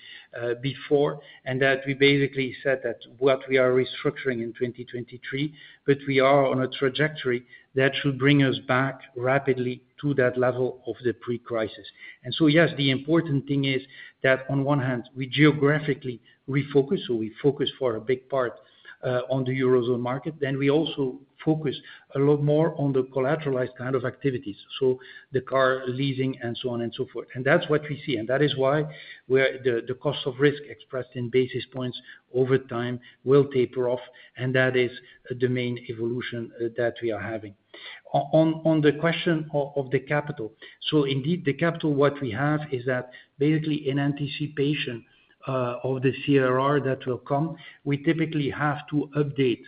before, and that we basically said that what we are restructuring in 2023, but we are on a trajectory that should bring us back rapidly to that level of the pre-crisis. And so yes, the important thing is that on one hand, we geographically refocus, so we focus for a big part on the Eurozone market. Then we also focus a lot more on the collateralized kind of activities, so the car leasing and so on and so forth. And that's what we see, and that is why where the, the cost of risk expressed in basis points over time will taper off, and that is the main evolution that we are having. On the question of the capital, so indeed, the capital, what we have is that basically in anticipation of the CRR that will come, we typically have to update,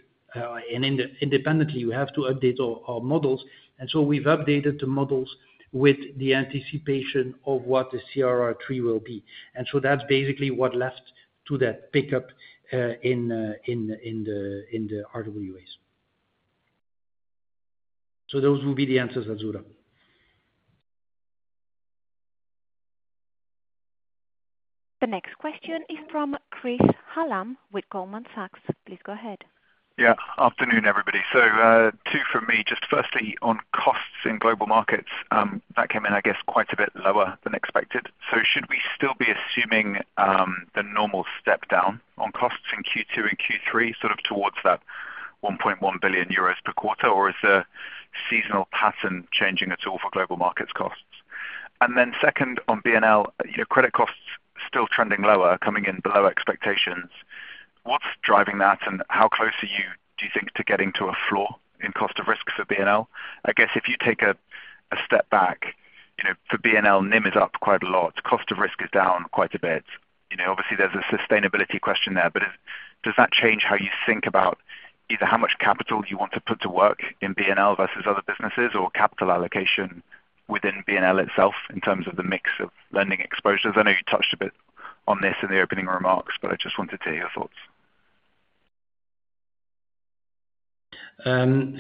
and independently, we have to update our models. And so we've updated the models with the anticipation of what the CRR3 will be. And so that's basically what led to that pickup in the RWAs. So those will be the answers, Azzurra. The next question is from Chris Hallam with Goldman Sachs. Please go ahead. Good afternoon, everybody. So, two from me, just firstly, on costs in Global Markets, that came in, I guess, quite a bit lower than expected. So should we still be assuming the normal step down on costs in Q2 and Q3, sort of towards that 1.1 billion euros per quarter? Or is the seasonal pattern changing at all for Global Markets costs? And then second, on BNL, your credit costs still trending lower, coming in below expectations. What's driving that, and how close are you, do you think, to getting to a floor in cost of risk for BNL? I guess if you take a step back, you know, for BNL, NIM is up quite a lot, cost of risk is down quite a bit. You know, obviously, there's a sustainability question there, but is... Does that change how you think about either how much capital you want to put to work in BNL versus other businesses, or capital allocation within BNL itself in terms of the mix of lending exposures? I know you touched a bit on this in the opening remarks, but I just wanted to hear your thoughts.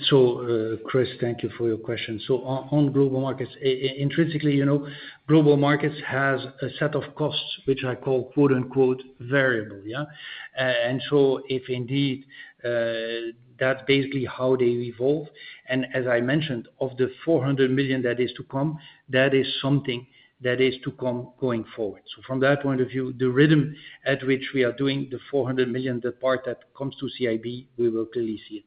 So, Chris, thank you for your question. So on global markets, intrinsically, you know, global markets has a set of costs, which I call, quote, unquote, "variable," yeah? And so if indeed, that's basically how they evolve, and as I mentioned, of the 400 million that is to come, that is something that is to come going forward. So from that point of view, the rhythm at which we are doing the 400 million, the part that comes to CIB, we will clearly see it.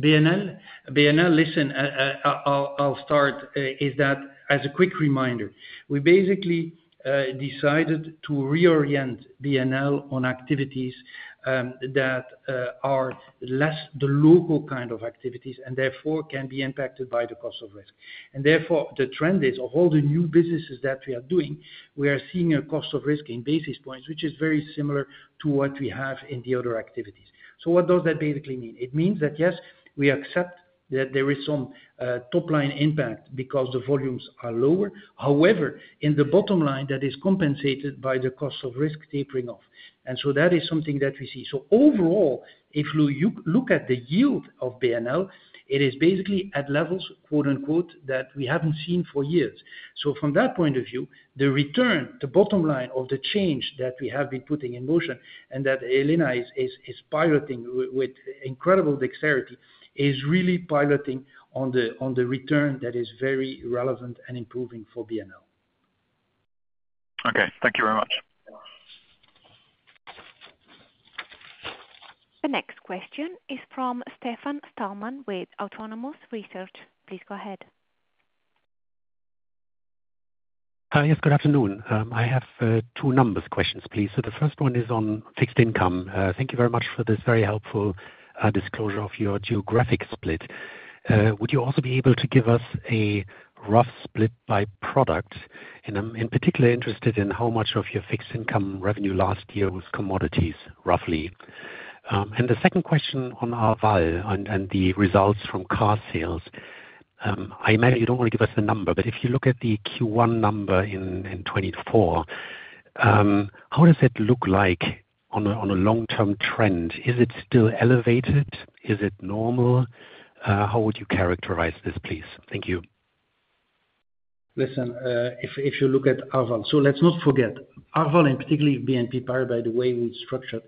BNL, BNL, listen, I'll start, is that as a quick reminder, we basically decided to reorient BNL on activities, that are less the local kind of activities, and therefore, can be impacted by the cost of risk. Therefore, the trend is of all the new businesses that we are doing, we are seeing a cost of risk in basis points, which is very similar to what we have in the other activities. So what does that basically mean? It means that, yes, we accept that there is some top line impact because the volumes are lower. However, in the bottom line, that is compensated by the cost of risk tapering off. So that is something that we see. So overall, if you look at the yield of BNL, it is basically at levels, “that we haven’t seen for years.” So from that point of view, the return, the bottom line of the change that we have been putting in motion and that Elena is piloting with incredible dexterity, is really piloting on the return that is very relevant and improving for BNL. Okay. Thank you very much. The next question is from Stefan Stalmann with Autonomous Research. Please go ahead. Hi, yes, good afternoon. I have two numbers questions, please. So the first one is on fixed income. Thank you very much for this very helpful disclosure of your geographic split. Would you also be able to give us a rough split by product? And I'm in particular interested in how much of your fixed income revenue last year was commodities, roughly. And the second question on Arval and the results from car sales. I imagine you don't want to give us the number, but if you look at the Q1 number in 2024, how does it look like on a long-term trend? Is it still elevated? Is it normal? How would you characterize this, please? Thank you. Listen, if you look at Arval. So let's not forget, Arval, and particularly BNP Paribas, by the way we structured,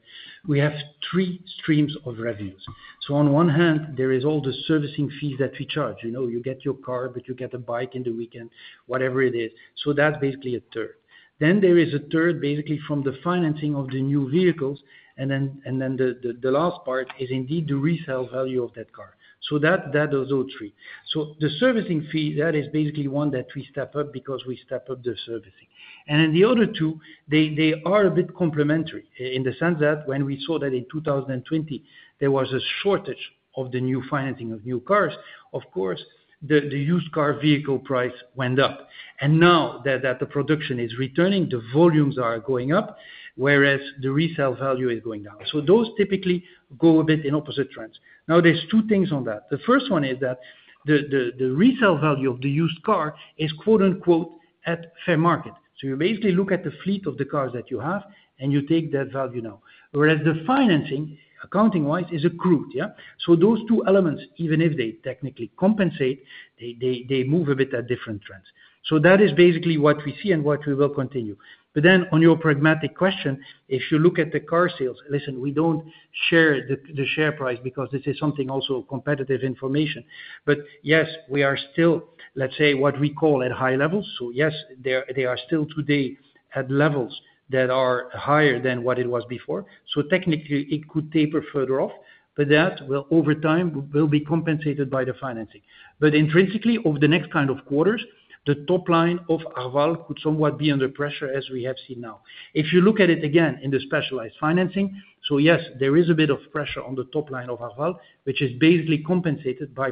we have three streams of revenues. So on one hand, there is all the servicing fees that we charge. You know, you get your car, but you get a bike in the weekend, whatever it is. So that's basically a third. Then there is a third, basically from the financing of the new vehicles, and then the last part is indeed the resale value of that car. So that those are three. So the servicing fee, that is basically one that we step up because we step up the servicing. And then the other two, they are a bit complementary in the sense that when we saw that in 2020, there was a shortage of the new financing of new cars, of course, the used car vehicle price went up. And now that the production is returning, the volumes are going up, whereas the resale value is going down. So those typically go a bit in opposite trends. Now, there's two things on that. The first one is that the resale value of the used car is, quote, unquote, "at fair market." So you basically look at the fleet of the cars that you have, and you take that value now... whereas the financing, accounting-wise, is accrued, yeah? So those two elements, even if they technically compensate, they move a bit at different trends. So that is basically what we see and what we will continue. But then on your pragmatic question, if you look at the car sales, listen, we don't share the share price because this is something also competitive information. But yes, we are still, let's say, what we call at high levels. So yes, they are still today at levels that are higher than what it was before, so technically it could taper further off, but that will over time, will be compensated by the financing. But intrinsically, over the next kind of quarters, the top line of Arval could somewhat be under pressure, as we have seen now. If you look at it again in the specialized financing, so yes, there is a bit of pressure on the top line of Arval, which is basically compensated by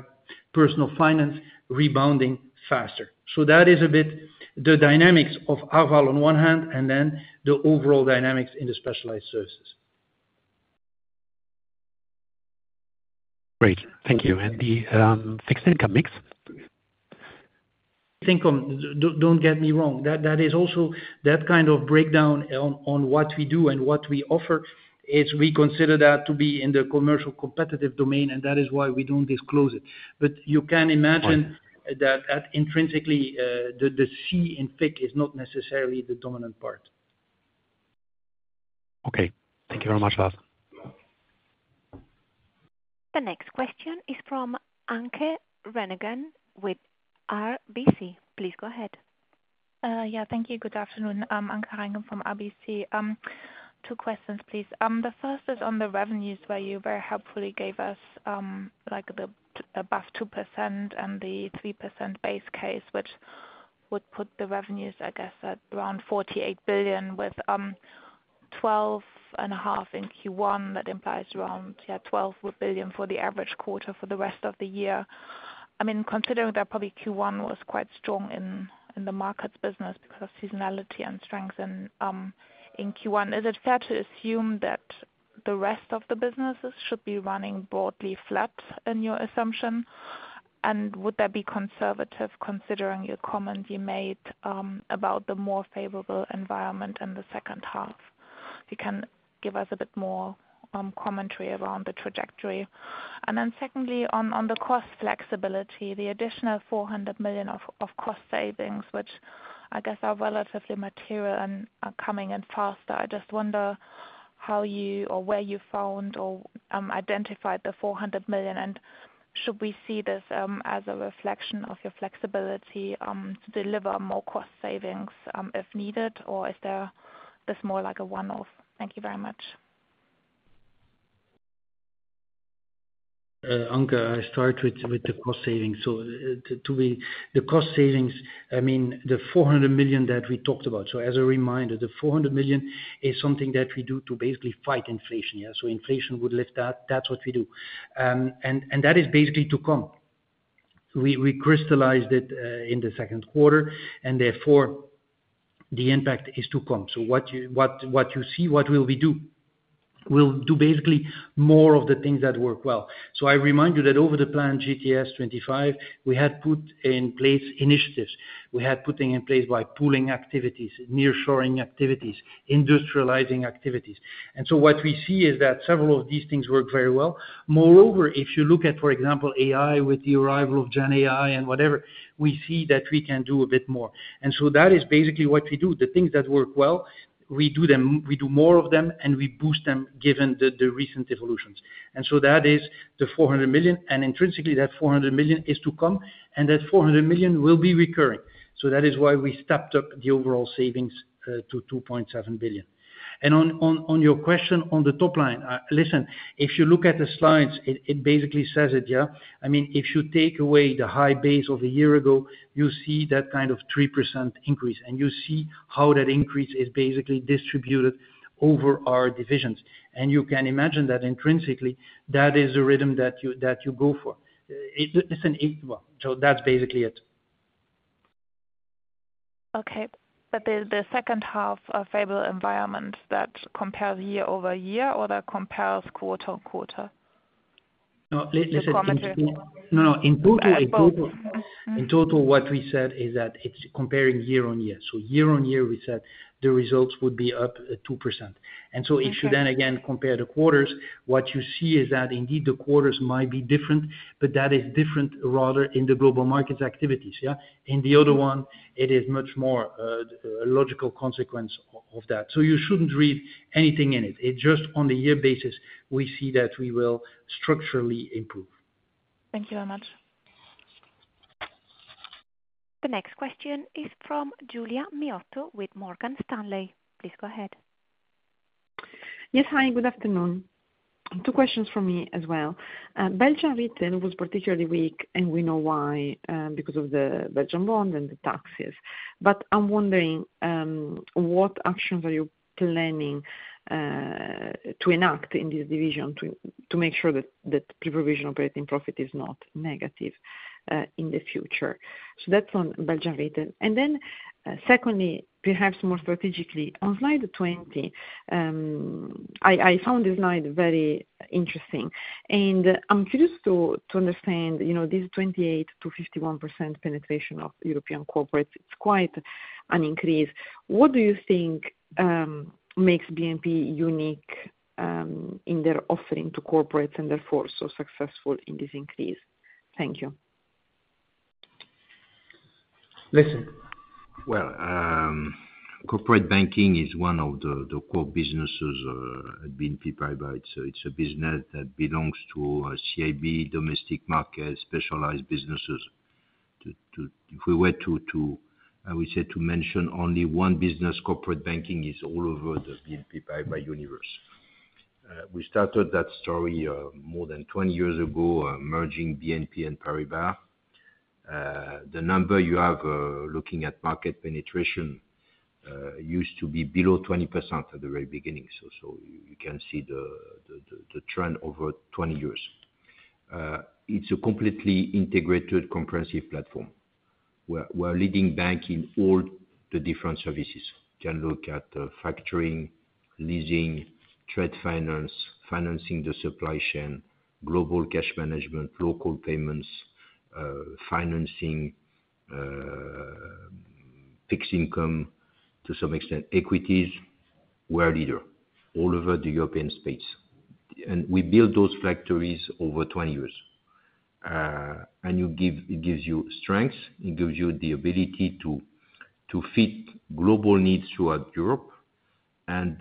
Personal Finance rebounding faster. That is a bit the dynamics of Arval on one hand, and then the overall dynamics in the specialized services. Great, thank you. And the fixed income mix? Think of, don't get me wrong, that, that is also that kind of breakdown on, on what we do and what we offer, is we consider that to be in the commercial competitive domain, and that is why we don't disclose it. But you can imagine- Right. That intrinsically, the C in FIC is not necessarily the dominant part. Okay. Thank you very much, Lars. The next question is from Anke Reingen with RBC. Please go ahead. Thank you. Good afternoon, Anke Reingen from RBC. Two questions, please. The first is on the revenues, where you very helpfully gave us, like, the above 2% and the 3% base case, which would put the revenues, I guess, at around 48 billion with 12.5% in Q1. That implies around 12 billion for the average quarter for the rest of the year. I mean, considering that probably Q1 was quite strong in the markets business because of seasonality and strength in Q1, is it fair to assume that the rest of the businesses should be running broadly flat in your assumption? And would that be conservative, considering your comments you made about the more favorable environment in the H2? You can give us a bit more commentary around the trajectory. Then secondly, on the cost flexibility, the additional 400 million of cost savings, which I guess are relatively material and are coming in faster. I just wonder how you or where you found or identified the 400 million, and should we see this as a reflection of your flexibility to deliver more cost savings if needed, or is there just more like a one-off? Thank you very much. Anke, I start with the cost savings. So, to be the cost savings, I mean, the 400 million that we talked about. So as a reminder, the 400 million is something that we do to basically fight inflation, yeah. So inflation would lift that. That's what we do. And that is basically to come. We crystallized it in the 2Q, and therefore, the impact is to come. So what you see, what will we do? We'll do basically more of the things that work well. So I remind you that over the plan GTS 25, we had put in place initiatives. We had putting in place by pooling activities, nearshoring activities, industrializing activities. And so what we see is that several of these things work very well. Moreover, if you look at, for example, AI, with the arrival of GenAI and whatever, we see that we can do a bit more. And so that is basically what we do. The things that work well, we do them, we do more of them, and we boost them given the recent evolutions. And so that is the 400 million, and intrinsically, that 400 million is to come, and that 400 million will be recurring. So that is why we stepped up the overall savings to 2.7 billion. And on your question on the top line, listen, if you look at the slides, it basically says it, yeah? I mean, if you take away the high base of a year ago, you see that kind of 3% increase, and you see how that increase is basically distributed over our divisions. You can imagine that intrinsically, that is the rhythm that you, that you go for. It, it's an... Well, so that's basically it. Okay, but the H2 of favorable environment, that compares year-over-year or that compares quarter-over-quarter? No, listen, listen- The commentary. No, no, in total, in total- Both. Mm-hmm. In total, what we said is that it's comparing year-on-year. Year-on-year, we said the results would be up 2%. Okay. So if you then again compare the quarters, what you see is that indeed, the quarters might be different, but that is different rather in the global markets activities, yeah? In the other one, it is much more a logical consequence of that. So you shouldn't read anything in it. It's just on the year basis, we see that we will structurally improve. Thank you very much. The next question is from Giulia Miotto with Morgan Stanley. Please go ahead. Yes, hi, good afternoon. Two questions from me as well. Belgian retail was particularly weak, and we know why, because of the Belgian bond and the taxes. But I'm wondering, what actions are you planning to enact in this division to make sure that pre-provision operating profit is not negative in the future? So that's on Belgian retail. And then, secondly, perhaps more strategically, on slide 20, I found this slide very interesting, and I'm curious to understand, you know, this 28%-51% penetration of European corporates, it's quite an increase. What do you think makes BNP unique? In their offering to corporate, and therefore, so successful in this increase? Thank you. Listen. Well, corporate banking is one of the core businesses at BNP Paribas. So it's a business that belongs to CIB, domestic market, specialized businesses. If we were to, I would say, to mention only one business, corporate banking is all over the BNP Paribas universe. We started that story more than 20 years ago, merging BNP and Paribas. The number you have, looking at market penetration, used to be below 20% at the very beginning, so you can see the trend over 20 years. It's a completely integrated, comprehensive platform. We're leading bank in all the different services. You can look at factoring, leasing, trade finance, financing the supply chain, global cash management, local payments, financing fixed income, to some extent, equities. We're a leader all over the European space, and we build those factories over 20 years. And it gives you strength, it gives you the ability to fit global needs throughout Europe, and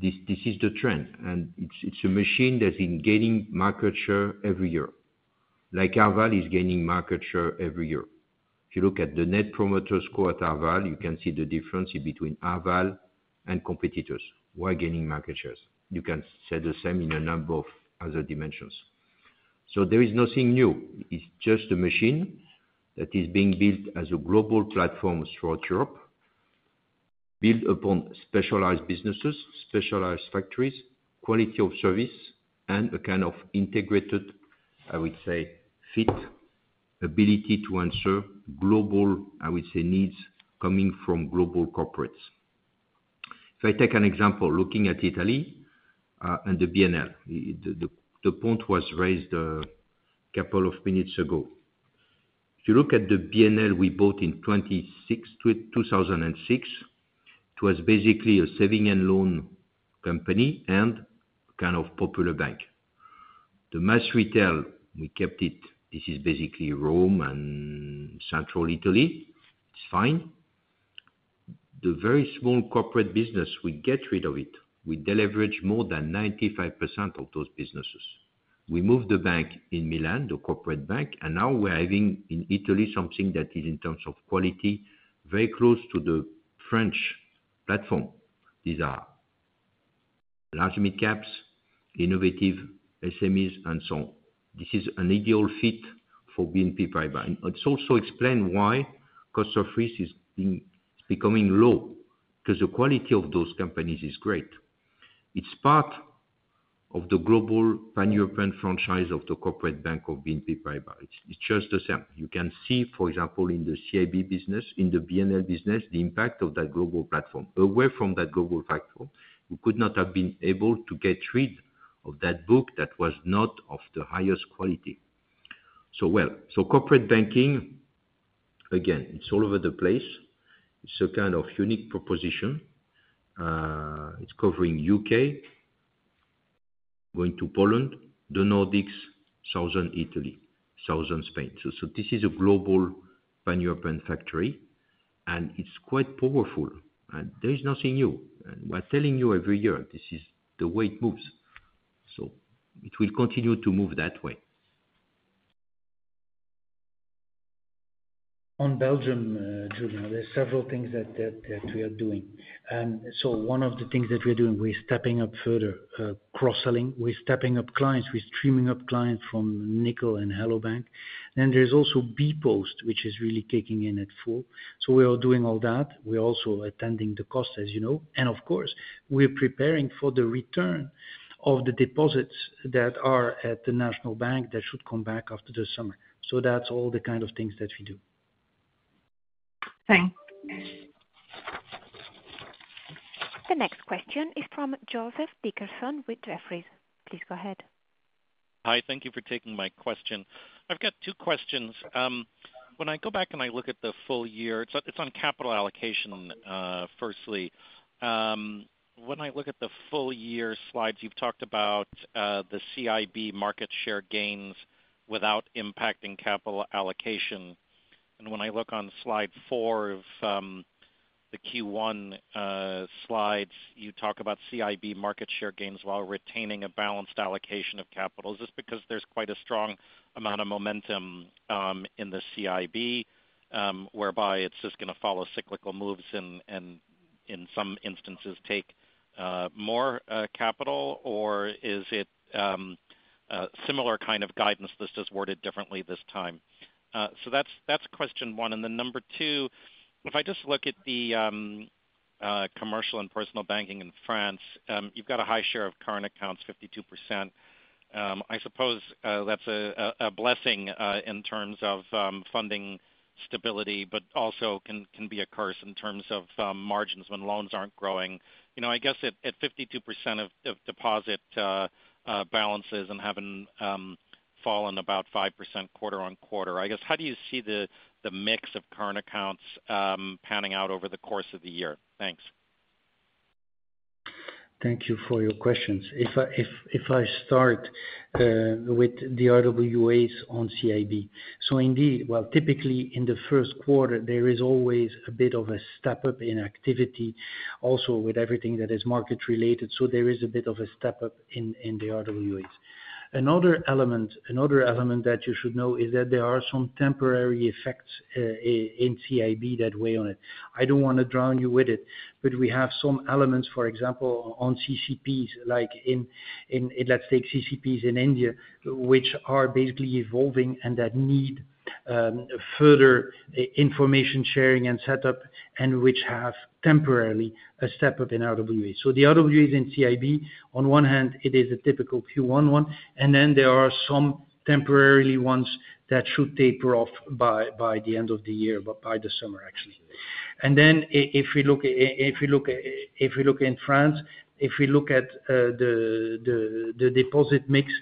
this, this is the trend, and it's, it's a machine that's been gaining market share every year. Like Arval is gaining market share every year. If you look at the Net Promoter Score at Arval, you can see the difference between Arval and competitors. We're gaining market shares. You can say the same in a number of other dimensions. So there is nothing new. It's just a machine that is being built as a global platform throughout Europe, built upon specialized businesses, specialized factories, quality of service, and a kind of integrated, I would say, fit, ability to answer global, I would say, needs coming from global corporates. If I take an example, looking at Italy, and the BNL, the point was raised a couple of minutes ago. If you look at the BNL we bought in 2006, it was basically a savings and loan company, and kind of popular bank. The mass retail, we kept it. This is basically Rome and central Italy. It's fine. The very small corporate business, we get rid of it. We deleverage more than 95% of those businesses. We moved the bank in Milan, the corporate bank, and now we're having, in Italy, something that is, in terms of quality, very close to the French platform. These are large midcaps, innovative SMEs, and so on. This is an ideal fit for BNP Paribas. It's also explained why cost of risk is becoming low, 'cause the quality of those companies is great. It's part of the global pan-European franchise of the corporate bank of BNP Paribas. It's just the same. You can see, for example, in the CIB business, in the BNL business, the impact of that global platform. Away from that global platform, we could not have been able to get rid of that book that was not of the highest quality. So, well, so corporate banking, again, it's all over the place. It's a kind of unique proposition. It's covering UK, going to Poland, the Nordics, Southern Italy, Southern Spain. So, so this is a global pan-European factory, and it's quite powerful, and there is nothing new. And we're telling you every year, this is the way it moves. So it will continue to move that way. On Belgium, Julian, there are several things that we are doing. And so one of the things that we're doing, we're stepping up further cross-selling. We're stepping up clients, we're streaming up clients from Nickel and Hello Bank. Then there's also bpost, which is really kicking in at full. So we are doing all that. We're also attending the cost, as you know. And of course, we're preparing for the return of the deposits that are at the national bank, that should come back after the summer. So that's all the kind of things that we do. Thanks. The next question is from Joseph Dickerson with Jefferies. Please go ahead. Hi, thank you for taking my question. I've got two questions. When I go back, and I look at the full year, it's on capital allocation, firstly. When I look at the full year slides, you've talked about the CIB market share gains without impacting capital allocation. When I look on slide four of the Q1 slides, you talk about CIB market share gains while retaining a balanced allocation of capital. Just because there's quite a strong amount of momentum in the CIB, whereby it's just gonna follow cyclical moves and in some instances take more capital, or is it a similar kind of guidance that's just worded differently this time? So that's question one. Then number two, if I just look at the Commercial & Personal Banking in France, you've got a high share of current accounts, 52%. I suppose that's a blessing in terms of funding stability, but also can be a curse in terms of margins when loans aren't growing. You know, I guess at 52% of deposit balances and having fallen about 5% quarter-on-quarter, I guess how do you see the mix of current accounts panning out over the course of the year? Thanks. ...Thank you for your questions. If I start with the RWAs on CIB. So indeed, well, typically in the 1Q, there is always a bit of a step-up in activity, also with everything that is market related, so there is a bit of a step-up in the RWAs. Another element that you should know is that there are some temporary effects in CIB that weigh on it. I don't wanna drown you with it, but we have some elements, for example, on CCPs, like let's take CCPs in India, which are basically evolving and that need further information sharing and setup, and which have temporarily a step-up in RWA. So the RWAs in CIB, on one hand, it is a typical Q1 one, and then there are some temporary ones that should taper off by the end of the year, but by the summer, actually. And then if we look in France, if we look at the deposit mix,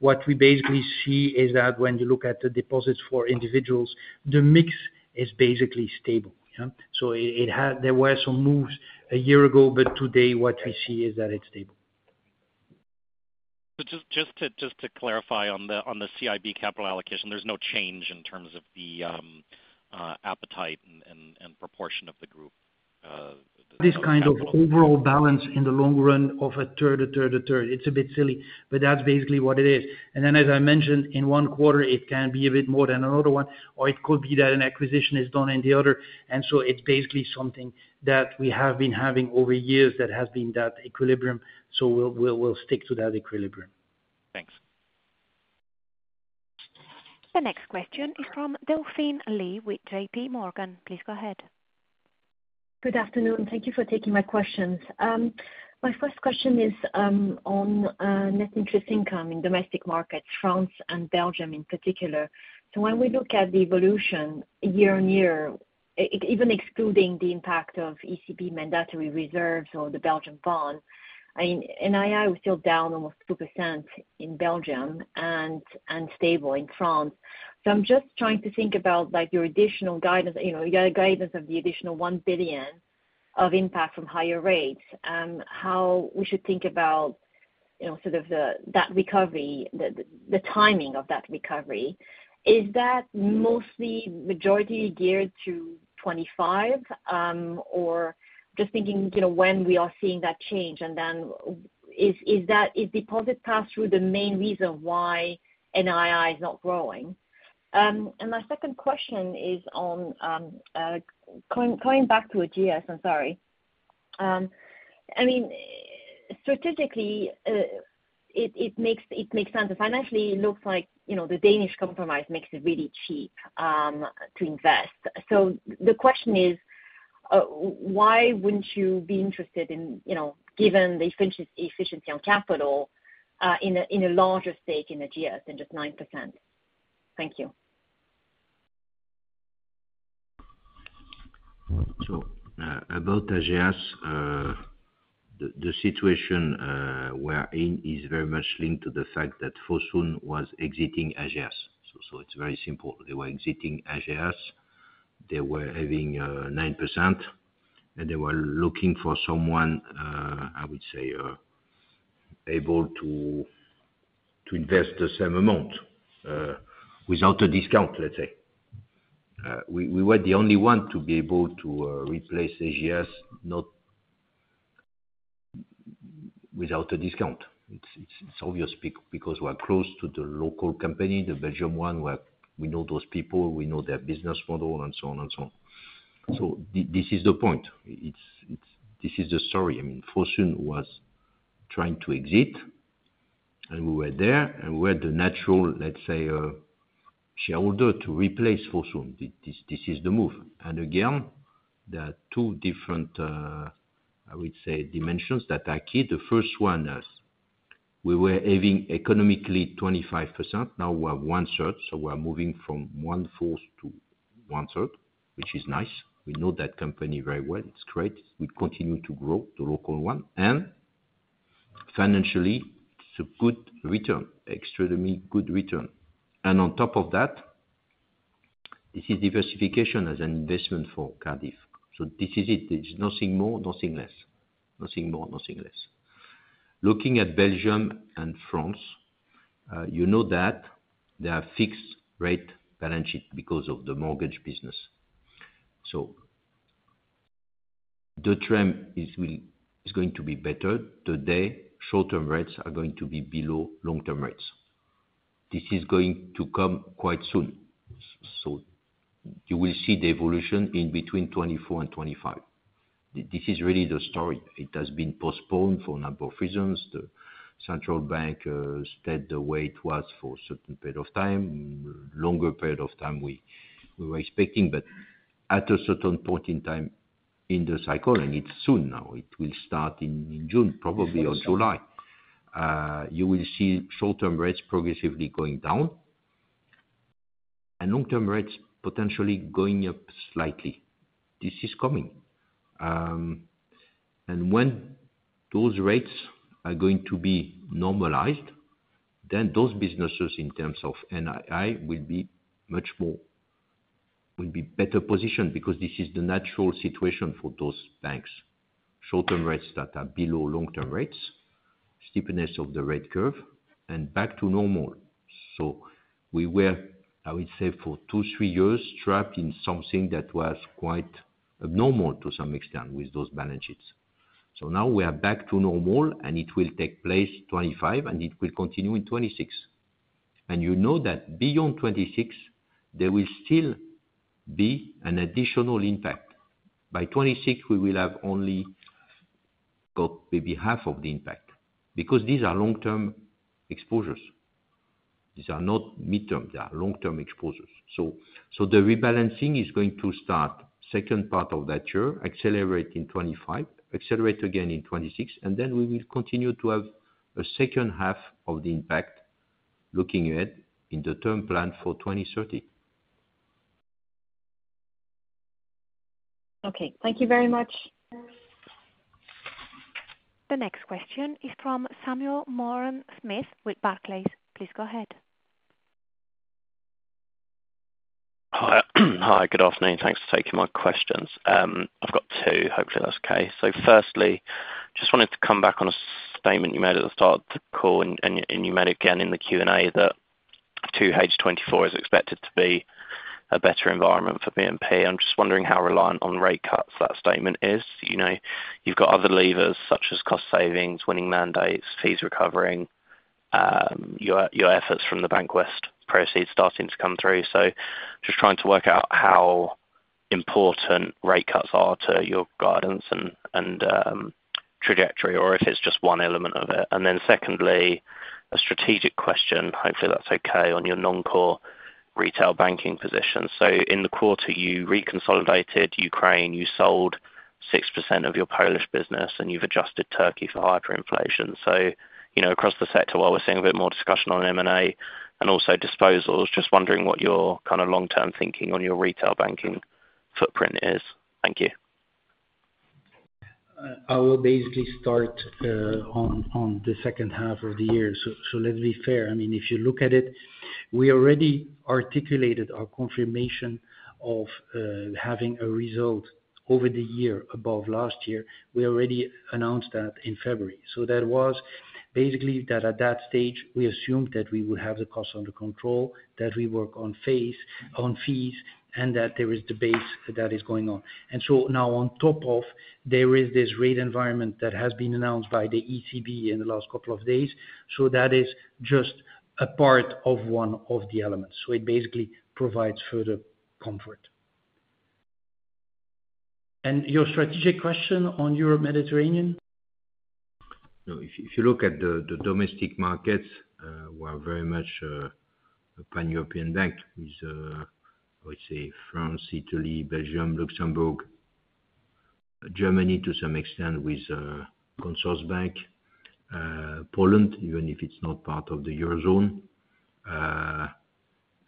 what we basically see is that when you look at the deposits for individuals, the mix is basically stable, yeah? So it had, there were some moves a year ago, but today what we see is that it's stable. So just to clarify on the CIB capital allocation, there's no change in terms of the appetite and proportion of the group in capital? This kind of overall balance in the long run of a third, a third, a third, it's a bit silly, but that's basically what it is. And then, as I mentioned, in one quarter, it can be a bit more than another one, or it could be that an acquisition is done in the other, and so it's basically something that we have been having over years that has been that equilibrium, so we'll, we'll, we'll stick to that equilibrium. Thanks. The next question is from Delphine Lee with JP Morgan. Please go ahead. Good afternoon, thank you for taking my questions. My first question is on net interest income in domestic markets, France and Belgium in particular. So when we look at the evolution year-on-year, even excluding the impact of ECB mandatory reserves or the Belgium bond, I mean, NII was still down almost 2% in Belgium and stable in France. So I'm just trying to think about, like, your additional guidance, you know, you got a guidance of the additional 1 billion of impact from higher rates, how we should think about, you know, sort of the, that recovery, the timing of that recovery. Is that mostly majority geared to 2025, or just thinking, you know, when we are seeing that change, and then, is that, is deposit pass-through the main reason why NII is not growing? And my second question is on, going back to Ageas, I'm sorry. I mean, strategically, it makes sense, but financially, it looks like, you know, the Danish compromise makes it really cheap to invest. So the question is, why wouldn't you be interested in, you know, given the efficiency on capital, in a larger stake in Ageas than just 9%? Thank you. So, about Ageas, the situation we're in is very much linked to the fact that Fosun was exiting Ageas. So, it's very simple. They were exiting Ageas, they were having 9%, and they were looking for someone, I would say, able to invest the same amount without a discount, let's say. We were the only one to be able to replace Ageas without a discount. It's obvious because we're close to the local company, the Belgium one, where we know those people, we know their business model, and so on and so on. So this is the point. It's this is the story. I mean, Fosun was trying to exit, and we were there, and we're the natural, let's say, shareholder to replace Fosun. This is the move. And again, there are two different, I would say, dimensions that are key. The first one is, we were having economically 25%, now we have one-third, so we're moving from one-fourth to one-third, which is nice. We know that company very well. It's great. We continue to grow, the local one. And financially, it's a good return, extremely good return. And on top of that, this is diversification as an investment for Cardif. So this is it. There's nothing more, nothing less. Nothing more, nothing less. Looking at Belgium and France, you know that they are fixed rate balance sheet because of the mortgage business. So the trend is going to be better. Today, short-term rates are going to be below long-term rates. This is going to come quite soon, so you will see the evolution in between 2024 and 2025. This is really the story. It has been postponed for a number of reasons. The central bank stayed the way it was for a certain period of time, longer period of time we were expecting, but at a certain point in time in the cycle, and it's soon now, it will start in June, probably or July, you will see short-term rates progressively going down, and long-term rates potentially going up slightly. This is coming. And when those rates are going to be normalized, then those businesses, in terms of NII, will be better positioned, because this is the natural situation for those banks. Short-term rates that are below long-term rates, steepness of the rate curve, and back to normal. So we were, I would say, for 2-3 years, trapped in something that was quite abnormal to some extent with those balance sheets. So now we are back to normal, and it will take place 2025, and it will continue in 2026. And you know that beyond 2026, there will still be an additional impact. By 2026, we will have only got maybe half of the impact, because these are long-term exposures. These are not midterm, they are long-term exposures. So, so the rebalancing is going to start second part of that year, accelerate in 2025, accelerate again in 2026, and then we will continue to have a H2 of the impact looking ahead in the term plan for 2030. Okay. Thank you very much. The next question is from Samuel Moran-Smyth with Barclays. Please go ahead. Hi. Hi, good afternoon. Thanks for taking my questions. I've got two, hopefully that's okay. So firstly, just wanted to come back on a statement you made at the start of the call, and you made again in the Q&A, that 2H 2024 is expected to be a better environment for BNP. I'm just wondering how reliant on rate cuts that statement is? You know, you've got other levers, such as cost savings, winning mandates, fees recovering, your efforts from the Bank of the West proceeds starting to come through. So just trying to work out how important rate cuts are to your guidance and trajectory, or if it's just one element of it. And then secondly, a strategic question, hopefully that's okay, on your non-core retail banking position. So in the quarter, you reconsolidated Ukraine, you sold 6% of your Polish business, and you've adjusted Turkey for hyperinflation. So, you know, across the sector, while we're seeing a bit more discussion on M&A and also disposals, just wondering what your kind of long-term thinking on your retail banking footprint is? Thank you. I will basically start on the H2 of the year. So let's be fair, I mean, if you look at it, we already articulated our confirmation of having a result over the year above last year. We already announced that in February. So that was basically that at that stage, we assumed that we would have the costs under control, that we work on phase-on fees, and that there is the base that is going on. And so now on top of, there is this rate environment that has been announced by the ECB in the last couple of days. So that is just a part of one of the elements. So it basically provides further comfort. And your strategic question on Europe, Mediterranean? No, if you look at the domestic markets, we are very much a pan-European bank with, I would say, France, Italy, Belgium, Luxembourg, Germany, to some extent, with Consorsbank, Poland, even if it's not part of the Eurozone.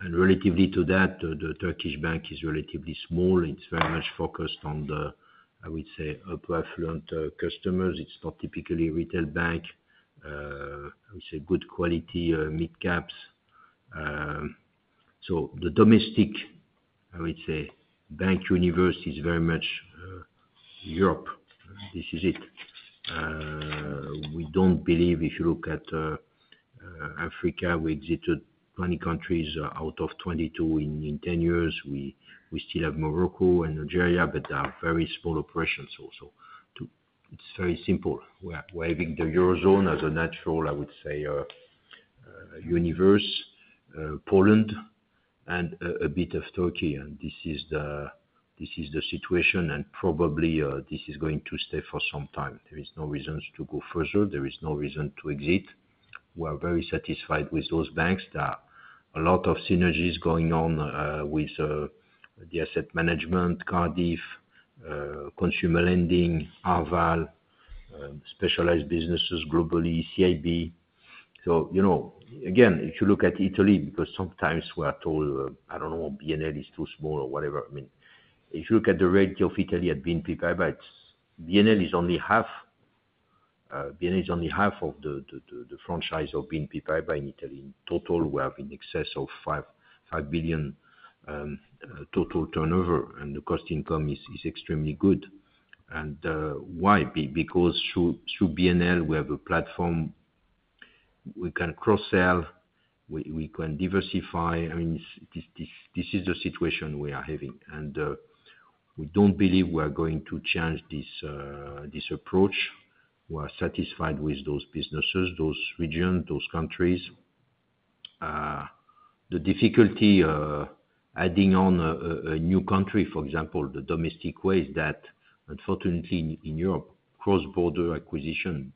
And relatively to that, the Turkish bank is relatively small. It's very much focused on the, I would say, upper affluent customers. It's not typically retail bank, I would say good quality mid-caps. So the domestic, I would say, bank universe is very much Europe. This is it. We don't believe, if you look at Africa, we exited 20 countries out of 22 in 10 years. We still have Morocco and Nigeria, but they are very small operations also. It's very simple. We're having the Eurozone as a natural, I would say, universe, Poland and a bit of Turkey, and this is the situation, and probably, this is going to stay for some time. There is no reasons to go further. There is no reason to exit. We are very satisfied with those banks. There are a lot of synergies going on, with, the Asset Management, Cardiff, consumer lending, Arval, specialized businesses globally, CIB. So, you know, again, if you look at Italy, because sometimes we are told, I don't know, BNL is too small or whatever. I mean, if you look at the rate of Italy at BNP Paribas, BNL is only half, BNL is only half of the franchise of BNP Paribas in Italy. In total, we have in excess of 5 billion total turnover, and the cost income is extremely good. Why? Because through BNL, we have a platform we can cross-sell, we can diversify. I mean, this is the situation we are having, and we don't believe we are going to change this approach. We are satisfied with those businesses, those regions, those countries. The difficulty adding on a new country, for example, the domestic way, is that unfortunately in Europe, cross-border acquisition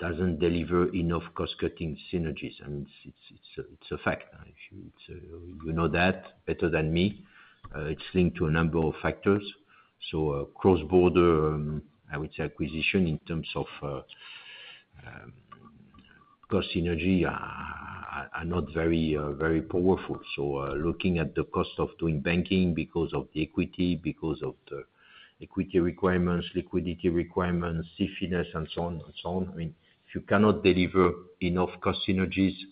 doesn't deliver enough cost-cutting synergies, and it's a fact. You know that better than me. It's linked to a number of factors. So, cross-border, I would say acquisition in terms of, cost synergy are not very, very powerful. So, looking at the cost of doing banking because of the equity, because of the equity requirements, liquidity requirements, safety and so on and so on, I mean, if you cannot deliver enough cost synergies-...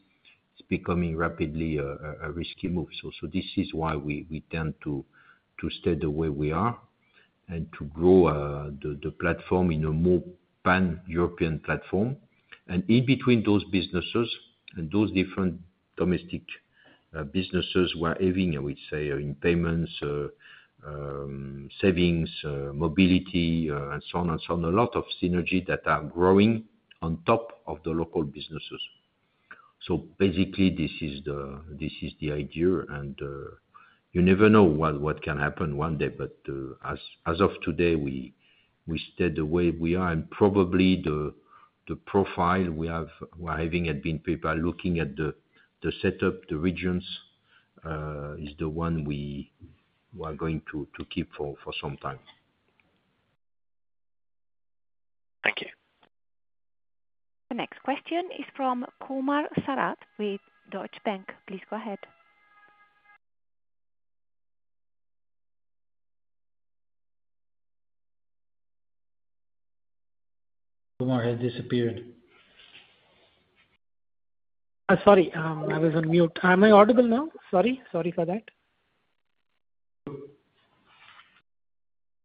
it's becoming rapidly a risky move. So this is why we tend to stay the way we are, and to grow the platform in a more pan-European platform. And in between those businesses and those different domestic businesses, we're having, I would say, in payments, savings, mobility, and so on and so on, a lot of synergy that are growing on top of the local businesses. So basically, this is the idea, and you never know what can happen one day. But as of today, we stay the way we are, and probably the profile we have, we're having at BNP Paribas, looking at the setup, the regions, is the one we are going to keep for some time. Thank you. The next question is from Kumar Sharath with Deutsche Bank. Please go ahead. Kumar has disappeared. Sorry, I was on mute. Am I audible now? Sorry, sorry for that.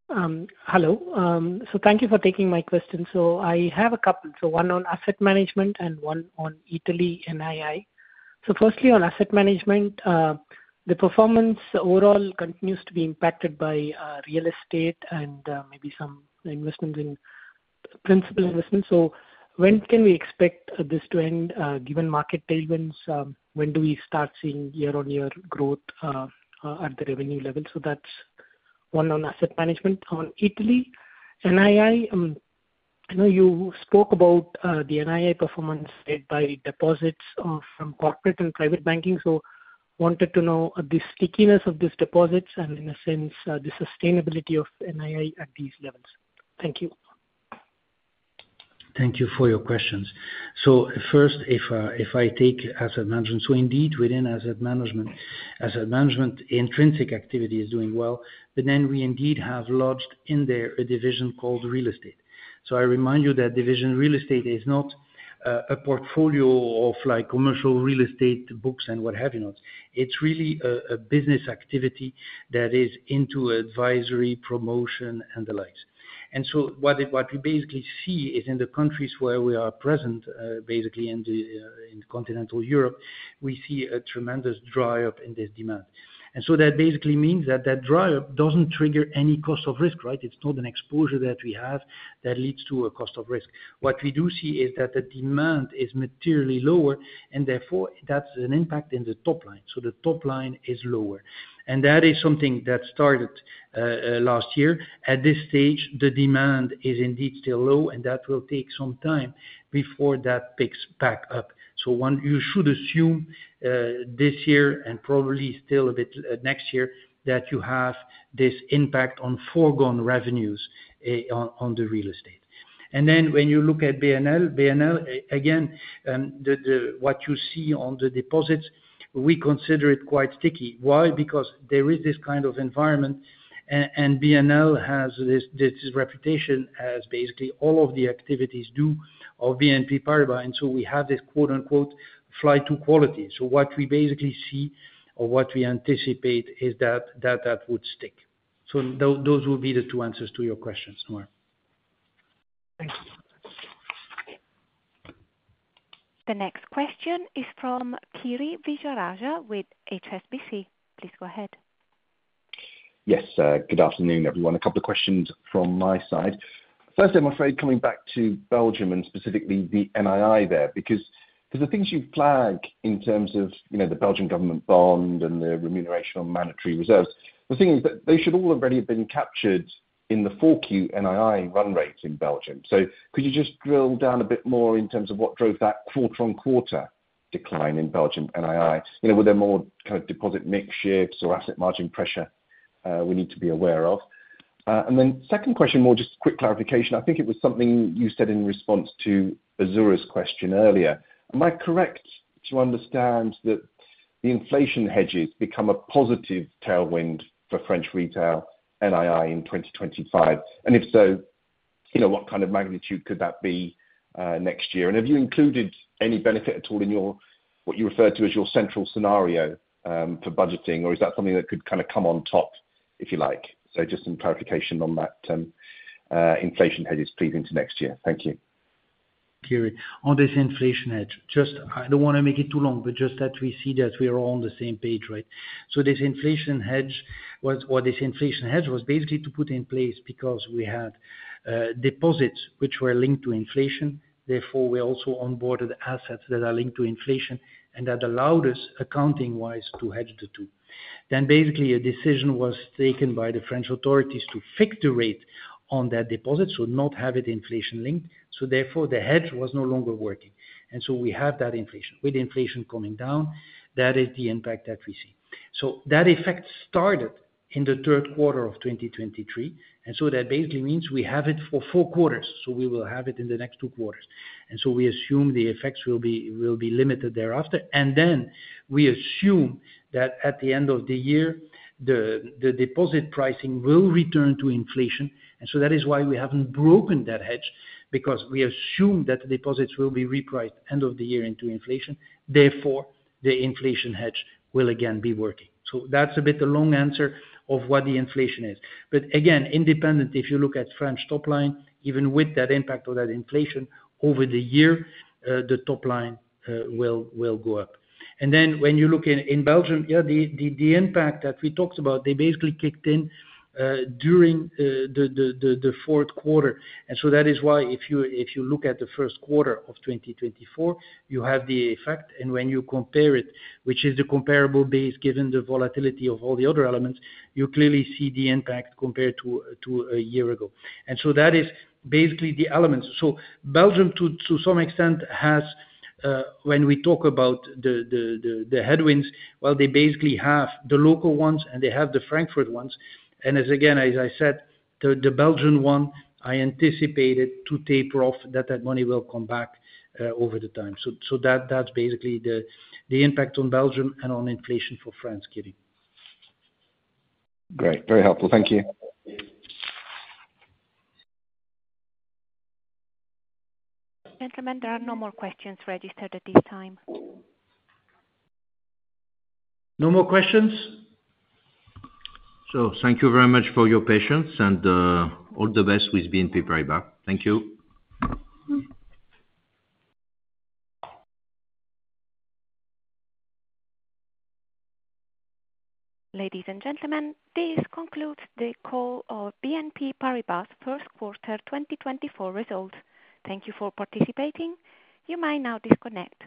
Hello, so thank you for taking my question. So I have a couple. So one on Asset Management and one on Italy NII. So firstly, on Asset Management, the performance overall continues to be impacted by, Real Estate and, maybe some investments in principal investment. So when can we expect this to end, given market tailwinds, when do we start seeing year-on-year growth, at the revenue level? So that's one on Asset Management. On Italy, NII, I know you spoke about, the NII performance led by deposits, from corporate and private banking. So wanted to know the stickiness of these deposits and in a sense, the sustainability of NII at these levels. Thank you. Thank you for your questions. So first, I take Asset Management, so indeed, within Asset Management, Asset Management, intrinsic activity is doing well, but then we indeed have lodged in there a division called Real Estate. So I remind you that division Real Estate is not a portfolio of, like, commercial Real Estate books and what have you, notes. It's really a business activity that is into advisory, promotion, and the like. And so what it what we basically see is in the countries where we are present, basically in continental Europe, we see a tremendous dry up in this demand. And so that basically means that that dry up doesn't trigger any cost of risk, right? It's not an exposure that we have that leads to a cost of risk. What we do see is that the demand is materially lower, and therefore, that's an impact in the top line. So the top line is lower. And that is something that started last year. At this stage, the demand is indeed still low, and that will take some time before that picks back up. So one, you should assume this year and probably still a bit next year, that you have this impact on foregone revenues on the Real Estate. And then when you look at BNL, BNL again, the what you see on the deposits, we consider it quite sticky. Why? Because there is this kind of environment, and BNL has this reputation as basically all of the activities do of BNP Paribas, and so we have this quote-unquote "fly to quality." So what we basically see or what we anticipate is that that would stick. So those would be the two answers to your questions, Kumar. Thank you. The next question is from Kiri Vijayarajah with HSBC. Please go ahead. Yes, good afternoon, everyone. A couple of questions from my side. First, I'm afraid, coming back to Belgium, and specifically the NII there, because the things you've flagged in terms of, you know, the Belgian government bond and the remuneration on mandatory reserves, the thing is that they should all already have been captured in the 4Q NII run rates in Belgium. So could you just drill down a bit more in terms of what drove that quarter-over-quarter decline in Belgium NII? You know, were there more kind of deposit mix shifts or asset margin pressure we need to be aware of? And then second question, more just a quick clarification. I think it was something you said in response to Azura's question earlier. Am I correct to understand that the inflation hedges become a positive tailwind for French retail NII in 2025? And if so, you know, what kind of magnitude could that be next year? And have you included any benefit at all in your, what you referred to as your central scenario for budgeting? Or is that something that could kind of come on top, if you like? So just some clarification on that, inflation hedges relating to next year. Thank you. Kiri, on this inflation hedge, just... I don't wanna make it too long, but just that we see that we're all on the same page, right? So this inflation hedge was, or this inflation hedge was basically to put in place because we had deposits which were linked to inflation, therefore, we also onboarded assets that are linked to inflation, and that allowed us, accounting-wise, to hedge the two. Then basically, a decision was taken by the French authorities to fix the rate on that deposit, so not have it inflation-linked, so therefore, the hedge was no longer working. And so we have that inflation. With inflation coming down, that is the impact that we see. So that effect started in the 3Q of 2023, and so that basically means we have it for four quarters, so we will have it in the next two quarters. And so we assume the effects will be, will be limited thereafter. And then we assume that at the end of the year, the deposit pricing will return to inflation, and so that is why we haven't broken that hedge, because we assume that the deposits will be repriced end of the year into inflation, therefore, the inflation hedge will again be working. So that's a bit the long answer of what the inflation is. But again, independent, if you look at French top line, even with that impact of that inflation over the year, the top line will go up. And then when you look in Belgium, the impact that we talked about, they basically kicked in during the 4Q. And so that is why if you, if you look at the 1Q of 2024, you have the effect, and when you compare it, which is the comparable base, given the volatility of all the other elements, you clearly see the impact compared to, to a year ago. And so that is basically the elements. So Belgium, to, to some extent, has, when we talk about the, the, the, the headwinds, well, they basically have the local ones, and they have the Frankfurt ones. And as again, as I said, the, the Belgian one, I anticipated to taper off, that that money will come back, over the time. So, so that, that's basically the, the impact on Belgium and on inflation for France, Kiri. Great, very helpful. Thank you. Gentlemen, there are no more questions registered at this time. No more questions? So thank you very much for your patience, and, all the best with BNP Paribas. Thank you. Ladies and gentlemen, this concludes the call of BNP Paribas' 1Q 2024 results. Thank you for participating. You may now disconnect.